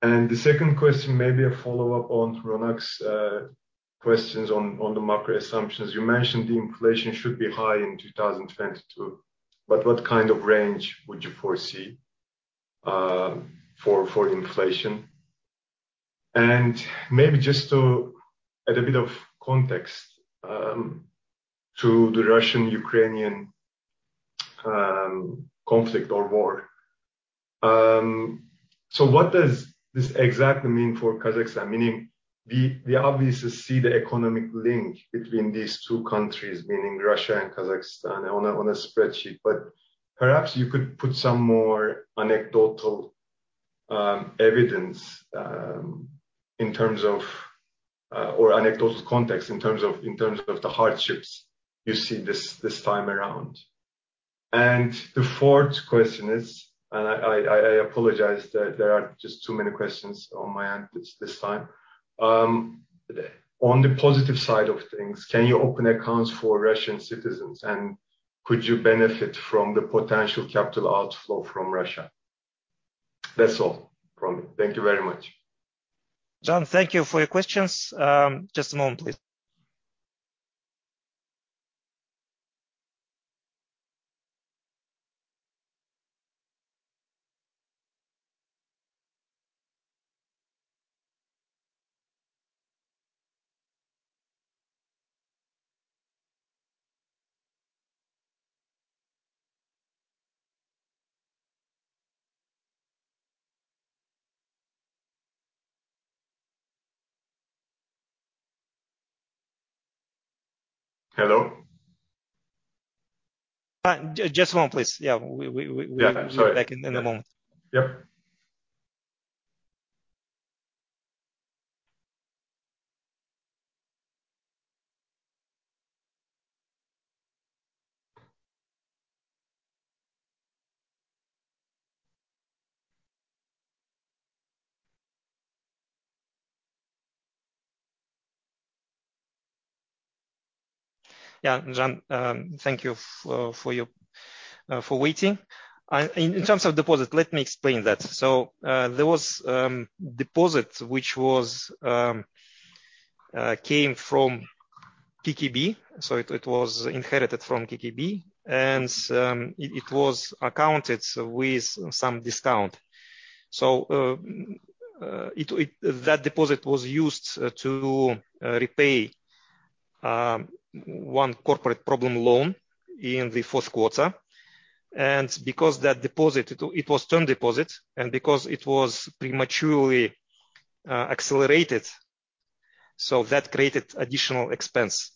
The second question may be a follow-up on Roman's questions on the macro assumptions. You mentioned the inflation should be high in 2022, but what kind of range would you foresee for inflation? Maybe just to add a bit of context to the Russian-Ukrainian conflict or war. What does this exactly mean for Kazakhstan? Meaning, we obviously see the economic link between these two countries, meaning Russia and Kazakhstan on a spreadsheet. But perhaps you could put some more anecdotal evidence or anecdotal context in terms of the hardships you see this time around. The fourth question is, I apologize that there are just too many questions on my end this time. On the positive side of things, can you open accounts for Russian citizens? And could you benefit from the potential capital outflow from Russia? That's all from me. Thank you very much. Can, thank you for your questions. Just a moment, please. Hello? Just one please. Yeah. We Yeah. Sorry. We'll be back in a moment. Yep. Yeah. Can, thank you for waiting. In terms of deposit, let me explain that. There was a deposit which came from Kazkommertsbank, so it was inherited from Kazkommertsbank, and it was accounted with some discount. That deposit was used to repay one corporate problem loan in the fourth quarter. Because that deposit, it was a term deposit, and because it was prematurely accelerated, that created additional expense.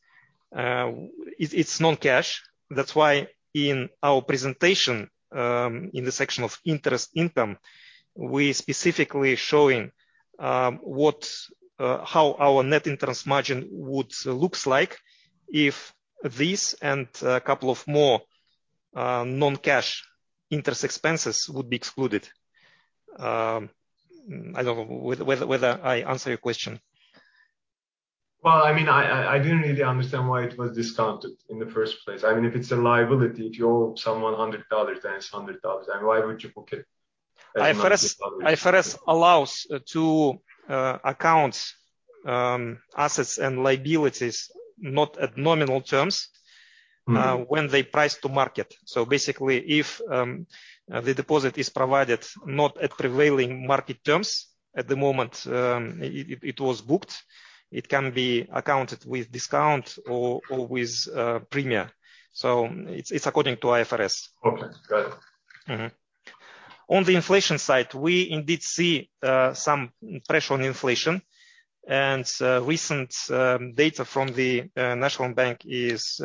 It's non-cash. That's why in our presentation, in the section of interest income, we specifically showing how our net interest margin would look like if this and a couple of more non-cash interest expenses would be excluded. I don't know whether I answer your question. Well, I mean, I didn't really understand why it was discounted in the first place. I mean, if it's a liability, if you owe someone $100, then it's $100. I mean, why would you book it as a non-cash liability? IFRS allows accounting for assets and liabilities not at nominal terms. When they price to market. Basically, if the deposit is provided not at prevailing market terms at the moment it was booked, it can be accounted with discount or with premium. It's according to IFRS. Okay. Got it. On the inflation side, we indeed see some pressure on inflation. Recent data from the National Bank is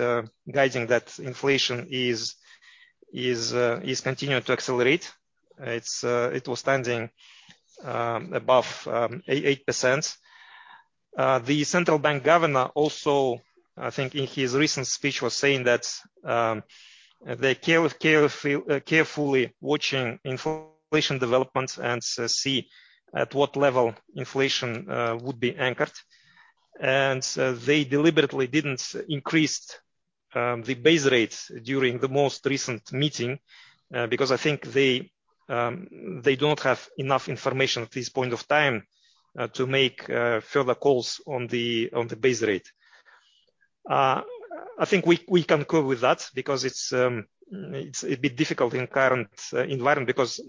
guiding that inflation is continuing to accelerate. It was standing above 8%. The central bank governor also, I think, in his recent speech was saying that they carefully watching inflation developments and see at what level inflation would be anchored. They deliberately didn't increase the base rates during the most recent meeting because I think they don't have enough information at this point of time to make further calls on the base rate. I think we concur with that because it's a bit difficult in current environment because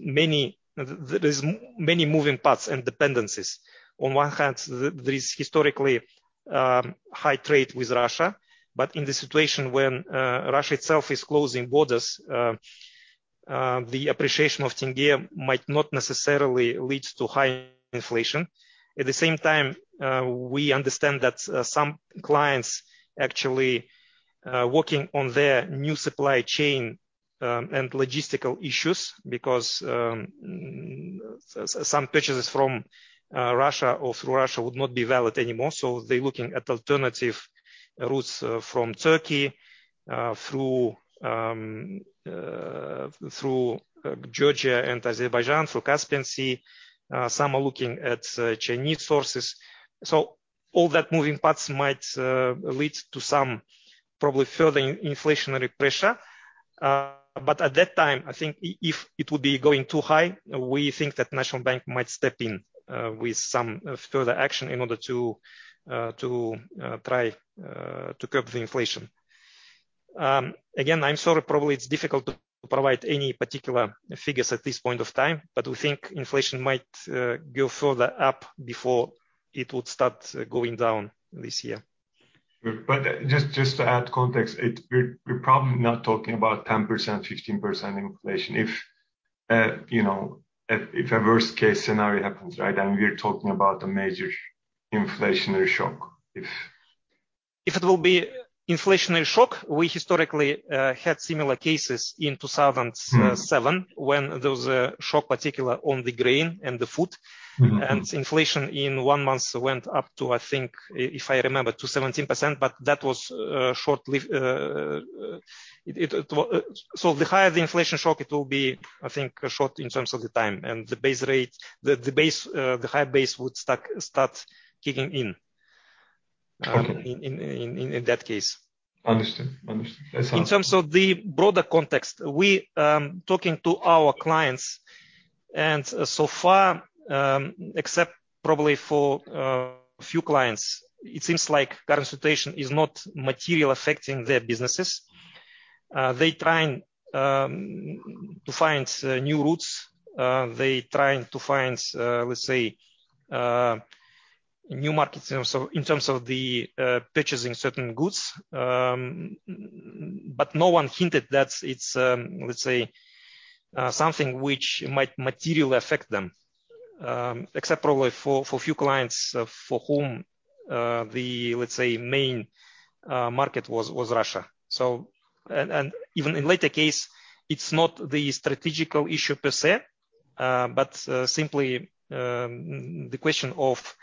there's many moving parts and dependencies. On one hand, there is historically high trade with Russia, but in the situation when Russia itself is closing borders, the appreciation of tenge might not necessarily lead to high inflation. At the same time, we understand that some clients actually working on their new supply chain and logistical issues because some purchases from Russia or through Russia would not be valid anymore. They're looking at alternative routes from Turkey through Georgia and Azerbaijan, through Caspian Sea. Some are looking at Chinese sources. All that moving parts might lead to some probably further inflationary pressure. At that time, I think if it would be going too high, we think that National Bank might step in with some further action in order to try to curb the inflation. Again, I'm sorry, probably it's difficult to provide any particular figures at this point of time, but we think inflation might go further up before it would start going down this year. Just to add context, we're probably not talking about 10%, 15% inflation. You know, if a worst case scenario happens, right, then we're talking about a major inflationary shock if If it will be inflationary shock, we historically had similar cases in 2007. When there was a shock, particularly on the grain and the food. Inflation in one month went up to, I think, if I remember, to 17%, but that was short-lived. It will be, I think, short in terms of the time. The base rate, the base, the high base would start kicking in. Okay. In that case. Understood. In terms of the broader context, we talking to our clients, and so far, except probably for few clients, it seems like current situation is not materially affecting their businesses. They trying to find new routes. They trying to find, let's say, new markets in terms of the purchasing certain goods. No one hinted that it's, let's say, something which might materially affect them, except probably for few clients for whom the let's say main market was Russia. Even in latter case, it's not the strategic issue per se, but simply the question of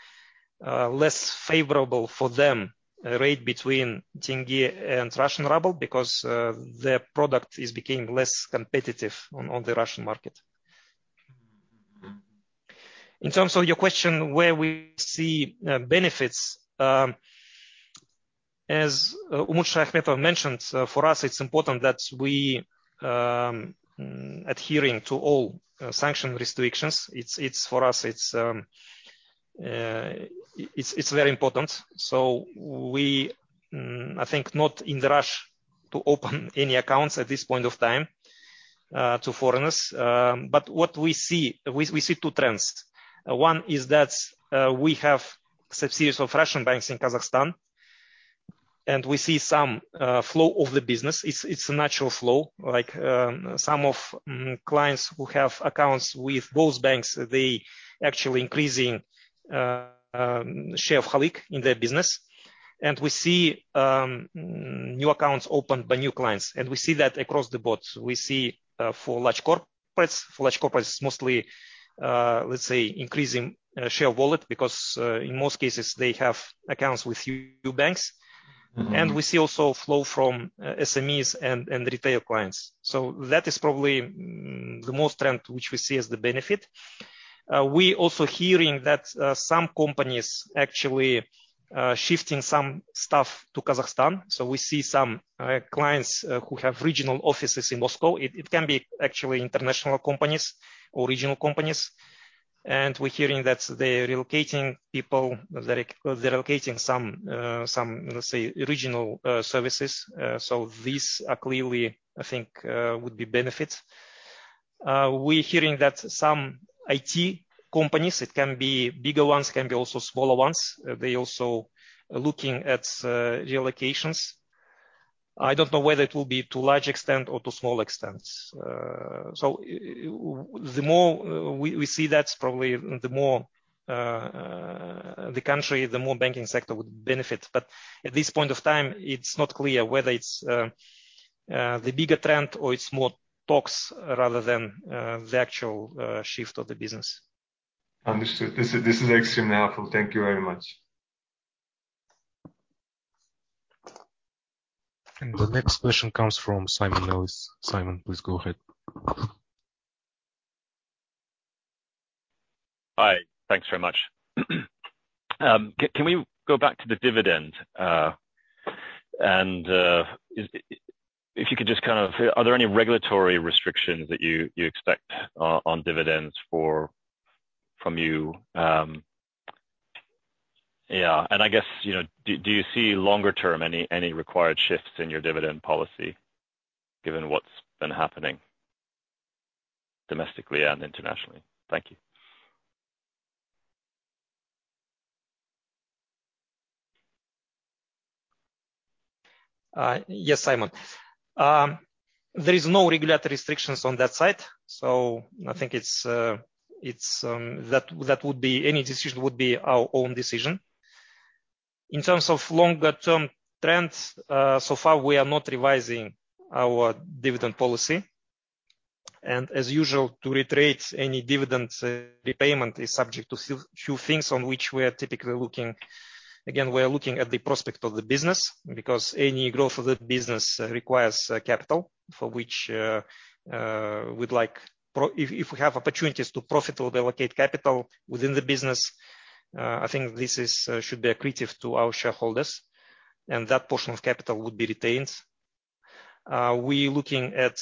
less favorable for them rate between tenge and Russian ruble because their product is becoming less competitive on the Russian market. In terms of your question, where we see benefits, as Umut Shayakhmetova mentioned, for us, it's important that we adhering to all sanction restrictions. It's very important for us. I think not in the rush to open any accounts at this point of time to foreigners. But what we see, we see two trends. One is that we have subsidiaries of Russian banks in Kazakhstan, and we see some flow of the business. It's a natural flow. Like, some of clients who have accounts with those banks, they actually increasing share of Halyk in their business. We see new accounts opened by new clients. We see that across the board. We see for large corporates. For large corporates, mostly, let's say, increasing share of wallet, because, in most cases, they have accounts with few banks. We see also flow from SMEs and retail clients. That is probably the most trend which we see as the benefit. We also hearing that some companies actually shifting some stuff to Kazakhstan. We see some clients who have regional offices in Moscow. It can be actually international companies or regional companies. We're hearing that they're relocating people. They're relocating some, let's say, regional services. These are clearly, I think, would be benefit. We're hearing that some IT companies, it can be bigger ones, can be also smaller ones, they also looking at relocations. I don't know whether it will be to large extent or to small extents. The more we see that probably the more the country, the more banking sector would benefit. At this point of time, it's not clear whether it's the bigger trend or it's more talks rather than the actual shift of the business. Understood. This is extremely helpful. Thank you very much. The next question comes from Simon Nellis. Simon, please go ahead. Hi. Thanks very much. Can we go back to the dividend? Are there any regulatory restrictions that you expect on dividends from you? Yeah. I guess, you know, do you see longer term any required shifts in your dividend policy given what's been happening domestically and internationally? Thank you. Yes, Simon. There is no regulatory restrictions on that side. I think that any decision would be our own decision. In terms of longer-term trends, so far, we are not revising our dividend policy. As usual, to reiterate, any dividend repayment is subject to few things on which we are typically looking. Again, we are looking at the prospect of the business because any growth of the business requires capital, for which, if we have opportunities to profit or allocate capital within the business, I think this should be accretive to our shareholders, and that portion of capital would be retained. We're looking at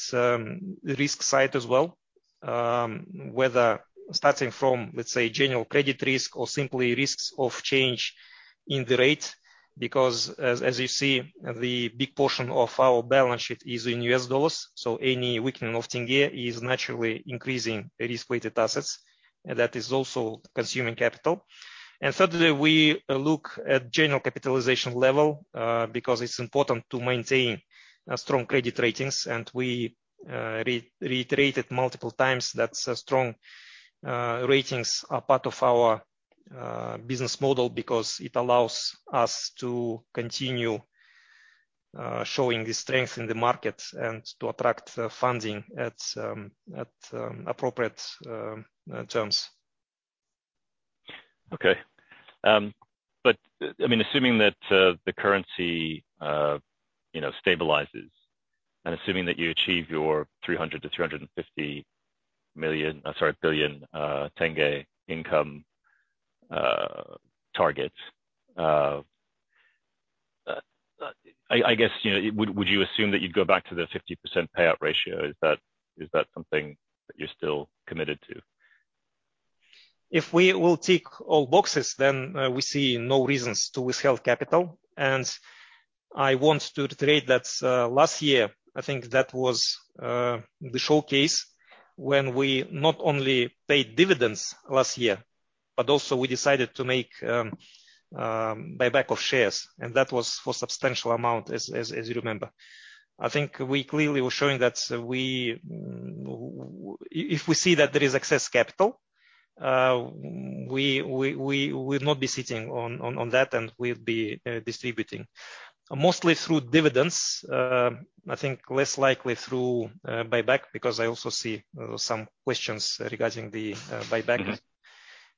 risk side as well, whether starting from, let's say, general credit risk or simply risks of change in the rate because as you see, the big portion of our balance sheet is in U.S. dollars, so any weakening of tenge is naturally increasing risk-weighted assets, and that is also consuming capital. Thirdly, we look at general capitalization level because it's important to maintain a strong credit ratings. We reiterated multiple times that strong ratings are part of our business model because it allows us to continue showing the strength in the market and to attract funding at appropriate terms. Okay. I mean, assuming that the currency stabilizes and assuming that you achieve your KZT 300 billion-KZT 350 billion tenge income targets, I guess, you know, would you assume that you'd go back to the 50% payout ratio? Is that something that you're still committed to? If we will tick all boxes, then we see no reasons to withhold capital. I want to reiterate that last year, I think that was the showcase when we not only paid dividends last year, but also we decided to make buyback of shares, and that was for substantial amount as you remember. I think we clearly were showing that if we see that there is excess capital, we will not be sitting on that and we'll be distributing mostly through dividends, I think less likely through buyback because I also see some questions regarding the buyback.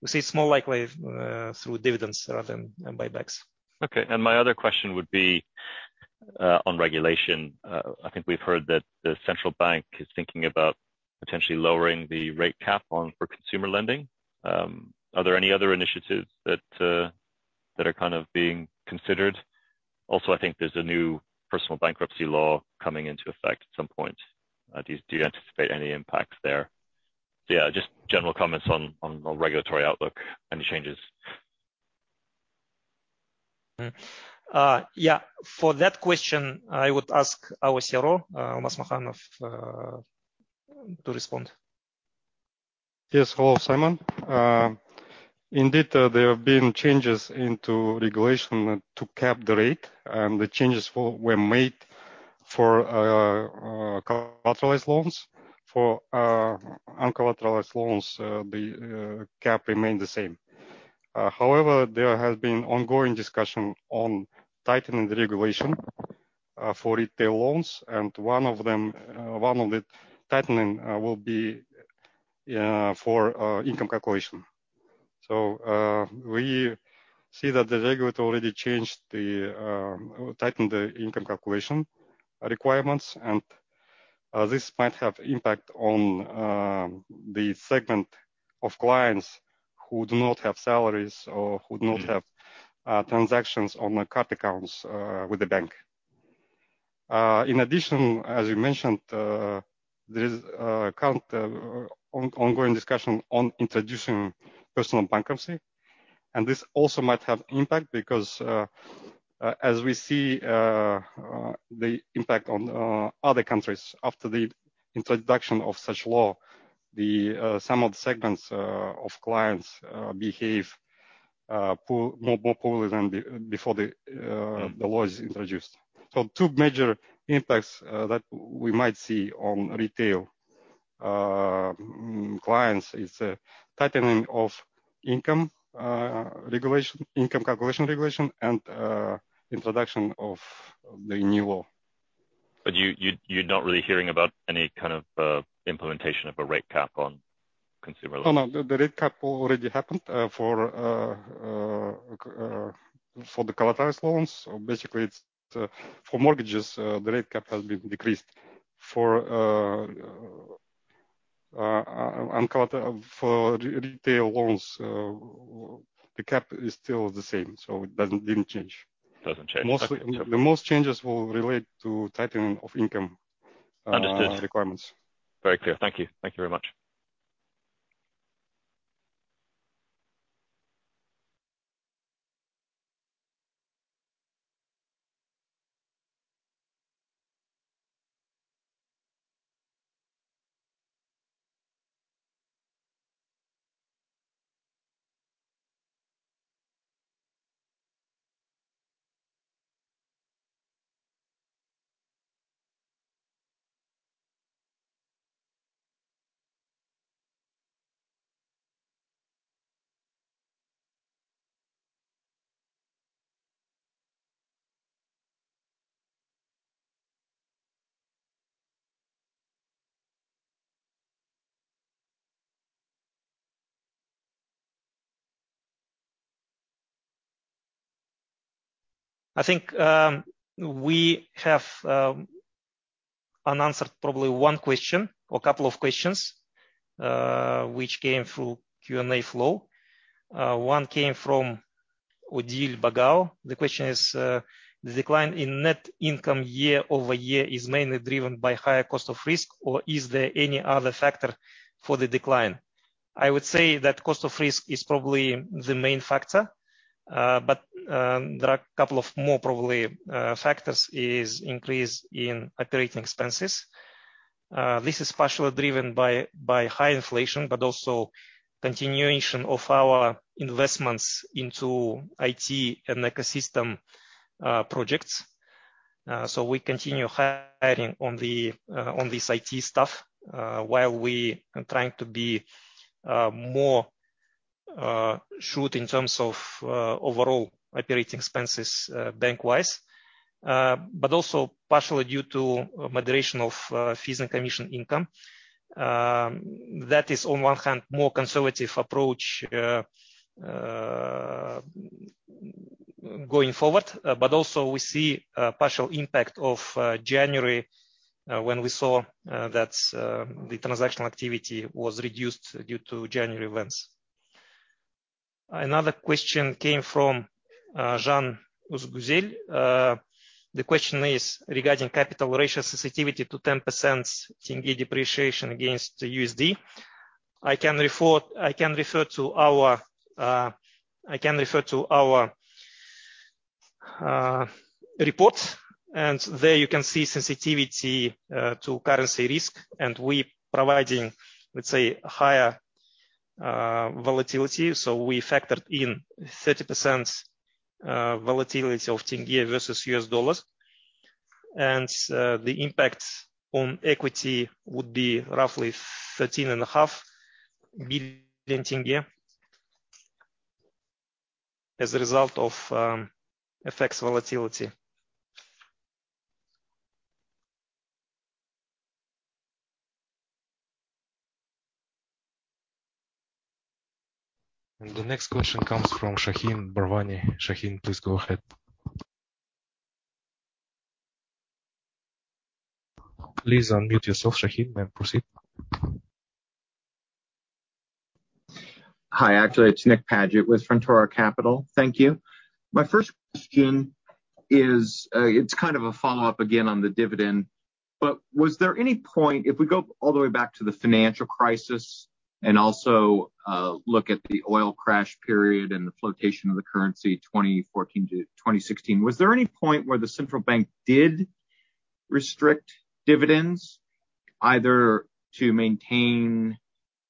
We see it's more likely through dividends rather than buybacks. Okay. My other question would be on regulation. I think we've heard that the central bank is thinking about potentially lowering the rate cap on, for consumer lending. Are there any other initiatives that are kind of being considered? Also, I think there's a new personal bankruptcy law coming into effect at some point. Do you anticipate any impacts there? Yeah, just general comments on regulatory outlook, any changes. For that question, I would ask our CRO, Almas Makhanov, to respond. Yes. Hello, Simon. Indeed, there have been changes in the regulation to cap the rate, and the changes were made for collateralized loans. For uncollateralized loans, the cap remained the same. However, there has been ongoing discussion on tightening the regulation for retail loans, and one of them, one of the tightening will be for income calculation. We see that the regulator already tightened the income calculation requirements, and this might have impact on the segment of clients who do not have salaries or who do not have transactions on the card accounts with the bank. In addition, as you mentioned, there is a current ongoing discussion on introducing personal bankruptcy, and this also might have impact because, as we see, the impact on other countries after the introduction of such law, some of the segments of clients behave more poorly than before the law is introduced. Two major impacts that we might see on retail Clients is a tightening of income regulation, income calculation regulation, and introduction of the new law. You're not really hearing about any kind of implementation of a rate cap on consumer loans? Oh, no. The rate cap already happened for the collateralized loans. Basically it's for mortgages, the rate cap has been decreased. For uncollateralized retail loans, the cap is still the same, so it didn't change. Doesn't change. Okay. The most changes will relate to tightening of income. Understood ...requirements. Very clear. Thank you. Thank you very much. I think we have unanswered probably one question or a couple of questions which came through Q&A flow. One came from Odile Badekian. The question is the decline in net income year-over-year is mainly driven by higher cost of risk or is there any other factor for the decline? I would say that cost of risk is probably the main factor. There are a couple of more probably factors is increase in operating expenses. This is partially driven by high inflation, but also continuation of our investments into IT and ecosystem projects. We continue hiring on this IT stuff while we are trying to be more shrewd in terms of overall operating expenses bank-wide, but also partially due to moderation of fees and commission income. That is on one hand more conservative approach going forward, but also we see a partial impact of January when we saw that the transactional activity was reduced due to January events. Another question came from Jean-Baudouin de Lassus. The question is regarding capital ratio sensitivity to 10% 10-year depreciation against the USD. I can refer to our report, and there you can see sensitivity to currency risk, and we providing, let's say, higher volatility. We factored in 30% volatility of tenge versus U.S. dollars. The impact on equity would be roughly KZT 13.5 billion as a result of FX volatility. The next question comes from Shahin Barvani. Shahin, please go ahead. Please unmute yourself, Shahin, and proceed. Hi. Actually, it's Nick Padgett with Frontaura Capital. Thank you. My first question is, it's kind of a follow-up again on the dividend. Was there any point, if we go all the way back to the financial crisis and also look at the oil crash period and the flotation of the currency, 2014-2016, where the central bank did restrict dividends either to maintain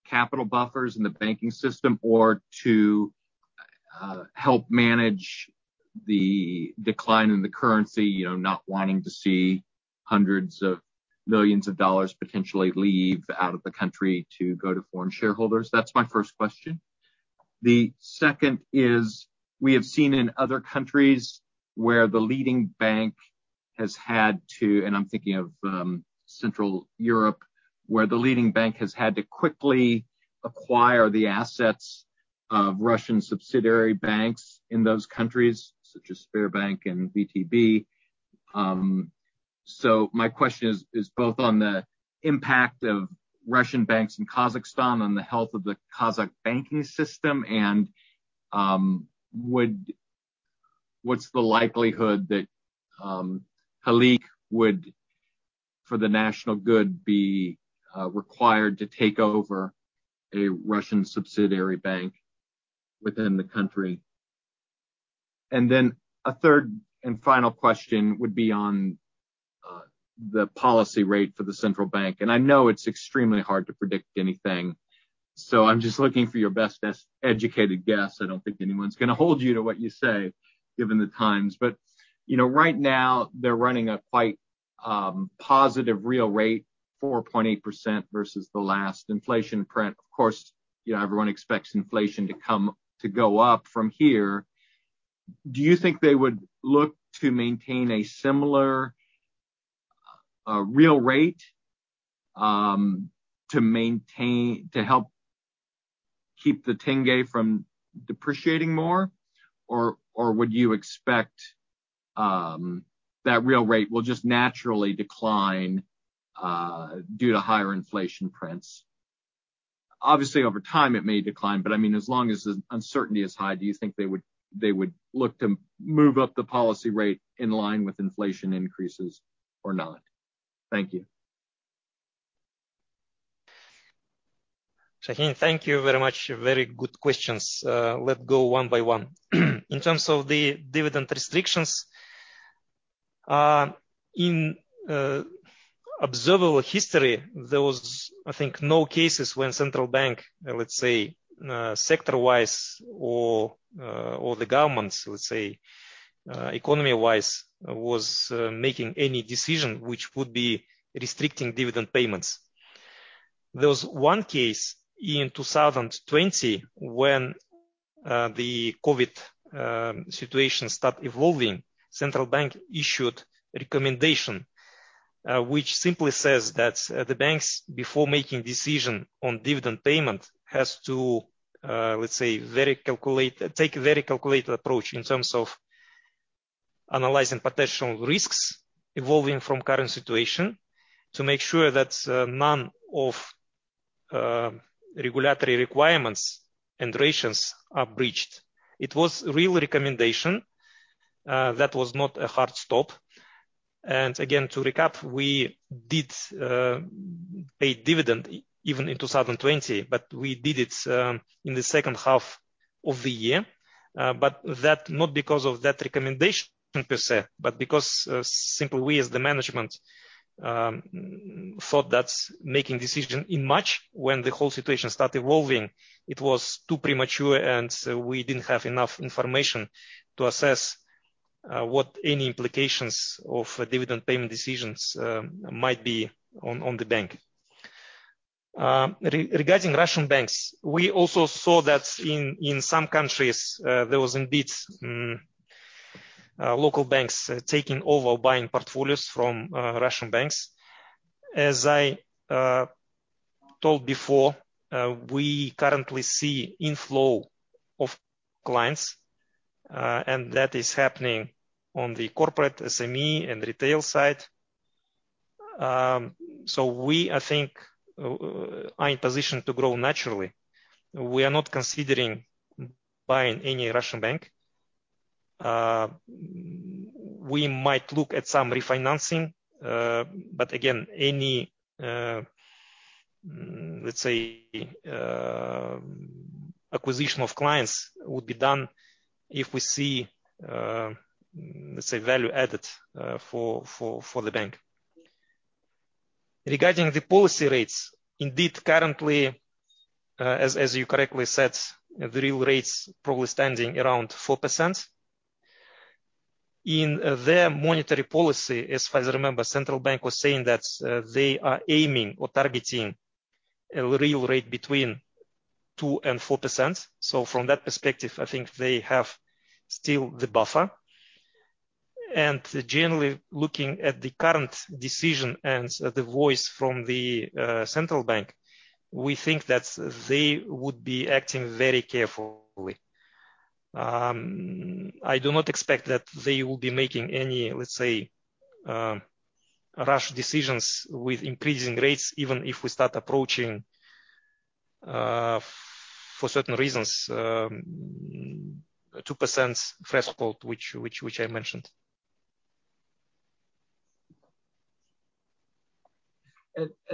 capital buffers in the banking system or to help manage the decline in the currency, you know, not wanting to see $hundreds of millions potentially leave out of the country to go to foreign shareholders? That's my first question. The second is, we have seen in other countries where the leading bank has had to, and I'm thinking of, Central Europe, where the leading bank has had to quickly acquire the assets of Russian subsidiary banks in those countries, such as Sberbank and VTB. My question is both on the impact of Russian banks in Kazakhstan on the health of the Kazakh banking system and, what's the likelihood that, Halyk would, for the national good, be, required to take over a Russian subsidiary bank within the country? Then a third and final question would be on, the policy rate for the central bank. I know it's extremely hard to predict anything. I'm just looking for your best educated guess. I don't think anyone's gonna hold you to what you say given the times. You know, right now they're running a quite positive real rate, 4.8% versus the last inflation print. Of course, you know, everyone expects inflation to go up from here. Do you think they would look to maintain a similar real rate to help keep the tenge from depreciating more? Or would you expect that real rate will just naturally decline due to higher inflation prints? Obviously over time it may decline, but I mean as long as the uncertainty is high, do you think they would look to move up the policy rate in line with inflation increases or not? Thank you. Shahin, thank you very much. Very good questions. Let's go one by one. In terms of the dividend restrictions, in observable history, there was, I think, no cases when central bank, let's say, sector-wise or the governments, let's say, economy-wise, was making any decision which would be restricting dividend payments. There was one case in 2020 when the COVID situation started evolving. Central bank issued a recommendation, which simply says that the banks, before making decision on dividend payment, has to, let's say, take a very calculated approach in terms of analyzing potential risks evolving from current situation to make sure that none of regulatory requirements and ratios are breached. It was a real recommendation, that was not a hard stop. Again, to recap, we did pay dividend even in 2020, but we did it in the second half of the year. But that not because of that recommendation per se, but because simply we as the management thought that making decision in March when the whole situation started evolving, it was too premature, and so we didn't have enough information to assess what any implications of dividend payment decisions might be on the bank. Regarding Russian banks, we also saw that in some countries there was indeed local banks taking over buying portfolios from Russian banks. As I told before, we currently see inflow of clients, and that is happening on the corporate, SME, and retail side. So we, I think, are in position to grow naturally. We are not considering buying any Russian bank. We might look at some refinancing, but again, any, let's say, acquisition of clients would be done if we see, let's say, value added, for the bank. Regarding the policy rates, indeed currently, as you correctly said, the real rates probably standing around 4%. In their monetary policy, as far as I remember, central bank was saying that, they are aiming or targeting a real rate between 2% and 4%. So from that perspective, I think they have still the buffer. Generally, looking at the current decision and the voice from the, central bank, we think that they would be acting very carefully. I do not expect that they will be making any, let's say, rash decisions with increasing rates, even if we start approaching, for certain reasons, 2% threshold, which I mentioned.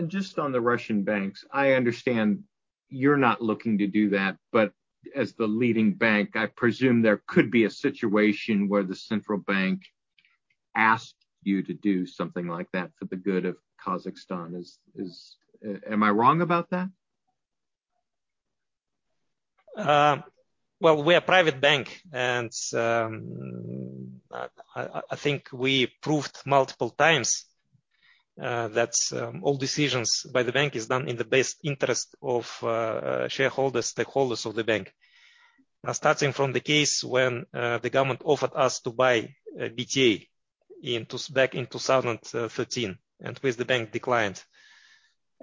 Just on the Russian banks, I understand you're not looking to do that, but as the leading bank, I presume there could be a situation where the central bank asked you to do something like that for the good of Kazakhstan. Am I wrong about that? Well, we're a private bank, and I think we proved multiple times that all decisions by the bank is done in the best interest of shareholders, stakeholders of the bank. Starting from the case when the government offered us to buy BTA back in 2013, which the bank declined.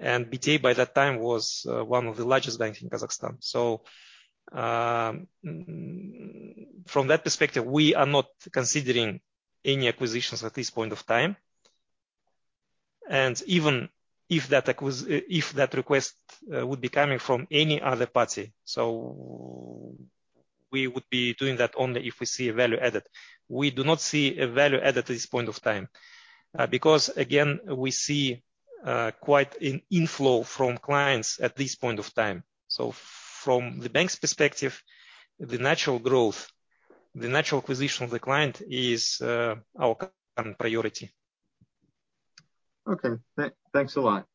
BTA, by that time, was one of the largest banks in Kazakhstan. From that perspective, we are not considering any acquisitions at this point of time. Even if that request would be coming from any other party, we would be doing that only if we see a value added. We do not see a value added at this point of time, because again, we see quite an inflow from clients at this point of time. From the bank's perspective, the natural growth, the natural acquisition of the client is our current priority. Okay. Thanks a lot.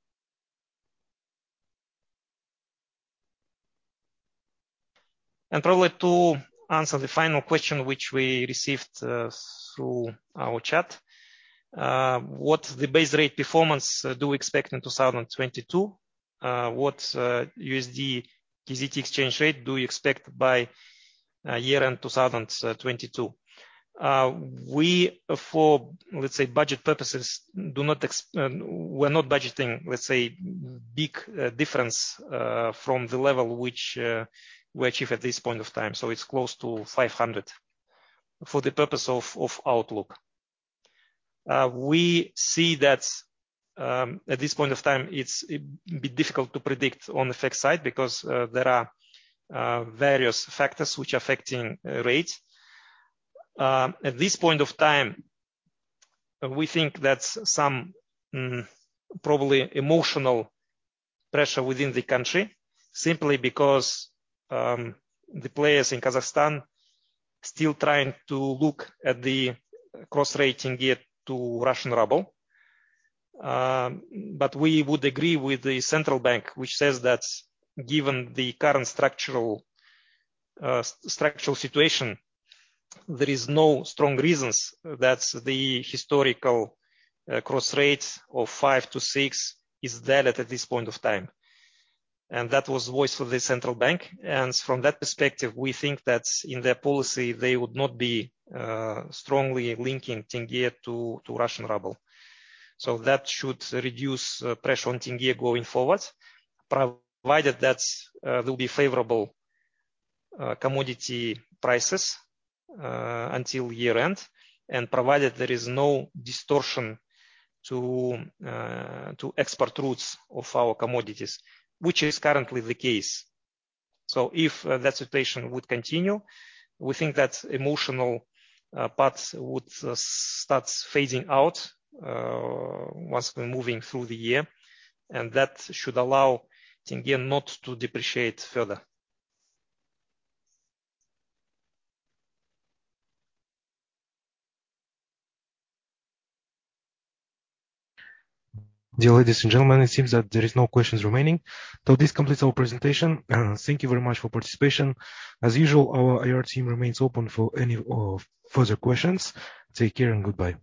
Probably to answer the final question which we received through our chat. What the base rate performance do we expect in 2022? What USD KZT exchange rate do you expect by year-end 2022? For budget purposes, we're not budgeting big difference from the level which we achieve at this point of time. It's close to 500 for the purpose of outlook. We see that at this point of time, it's a bit difficult to predict on the forex side because there are various factors which are affecting rate. At this point of time, we think that some probably emotional pressure within the country simply because the players in Kazakhstan still trying to look at the cross rate tenge to Russian ruble. We would agree with the central bank, which says that given the current structural situation, there is no strong reasons that the historical cross rate of 5-6 is dead at this point of time. That was voice of the central bank. From that perspective, we think that in their policy, they would not be strongly linking tenge to Russian ruble. That should reduce pressure on tenge going forward, provided that there'll be favorable commodity prices until year-end, and provided there is no distortion to export routes of our commodities, which is currently the case. If that situation would continue, we think that emotional parts would start fading out once we're moving through the year, and that should allow tenge not to depreciate further. Dear ladies and gentlemen, it seems that there is no questions remaining. This completes our presentation. Thank you very much for participation. As usual, our IR team remains open for any further questions. Take care and goodbye.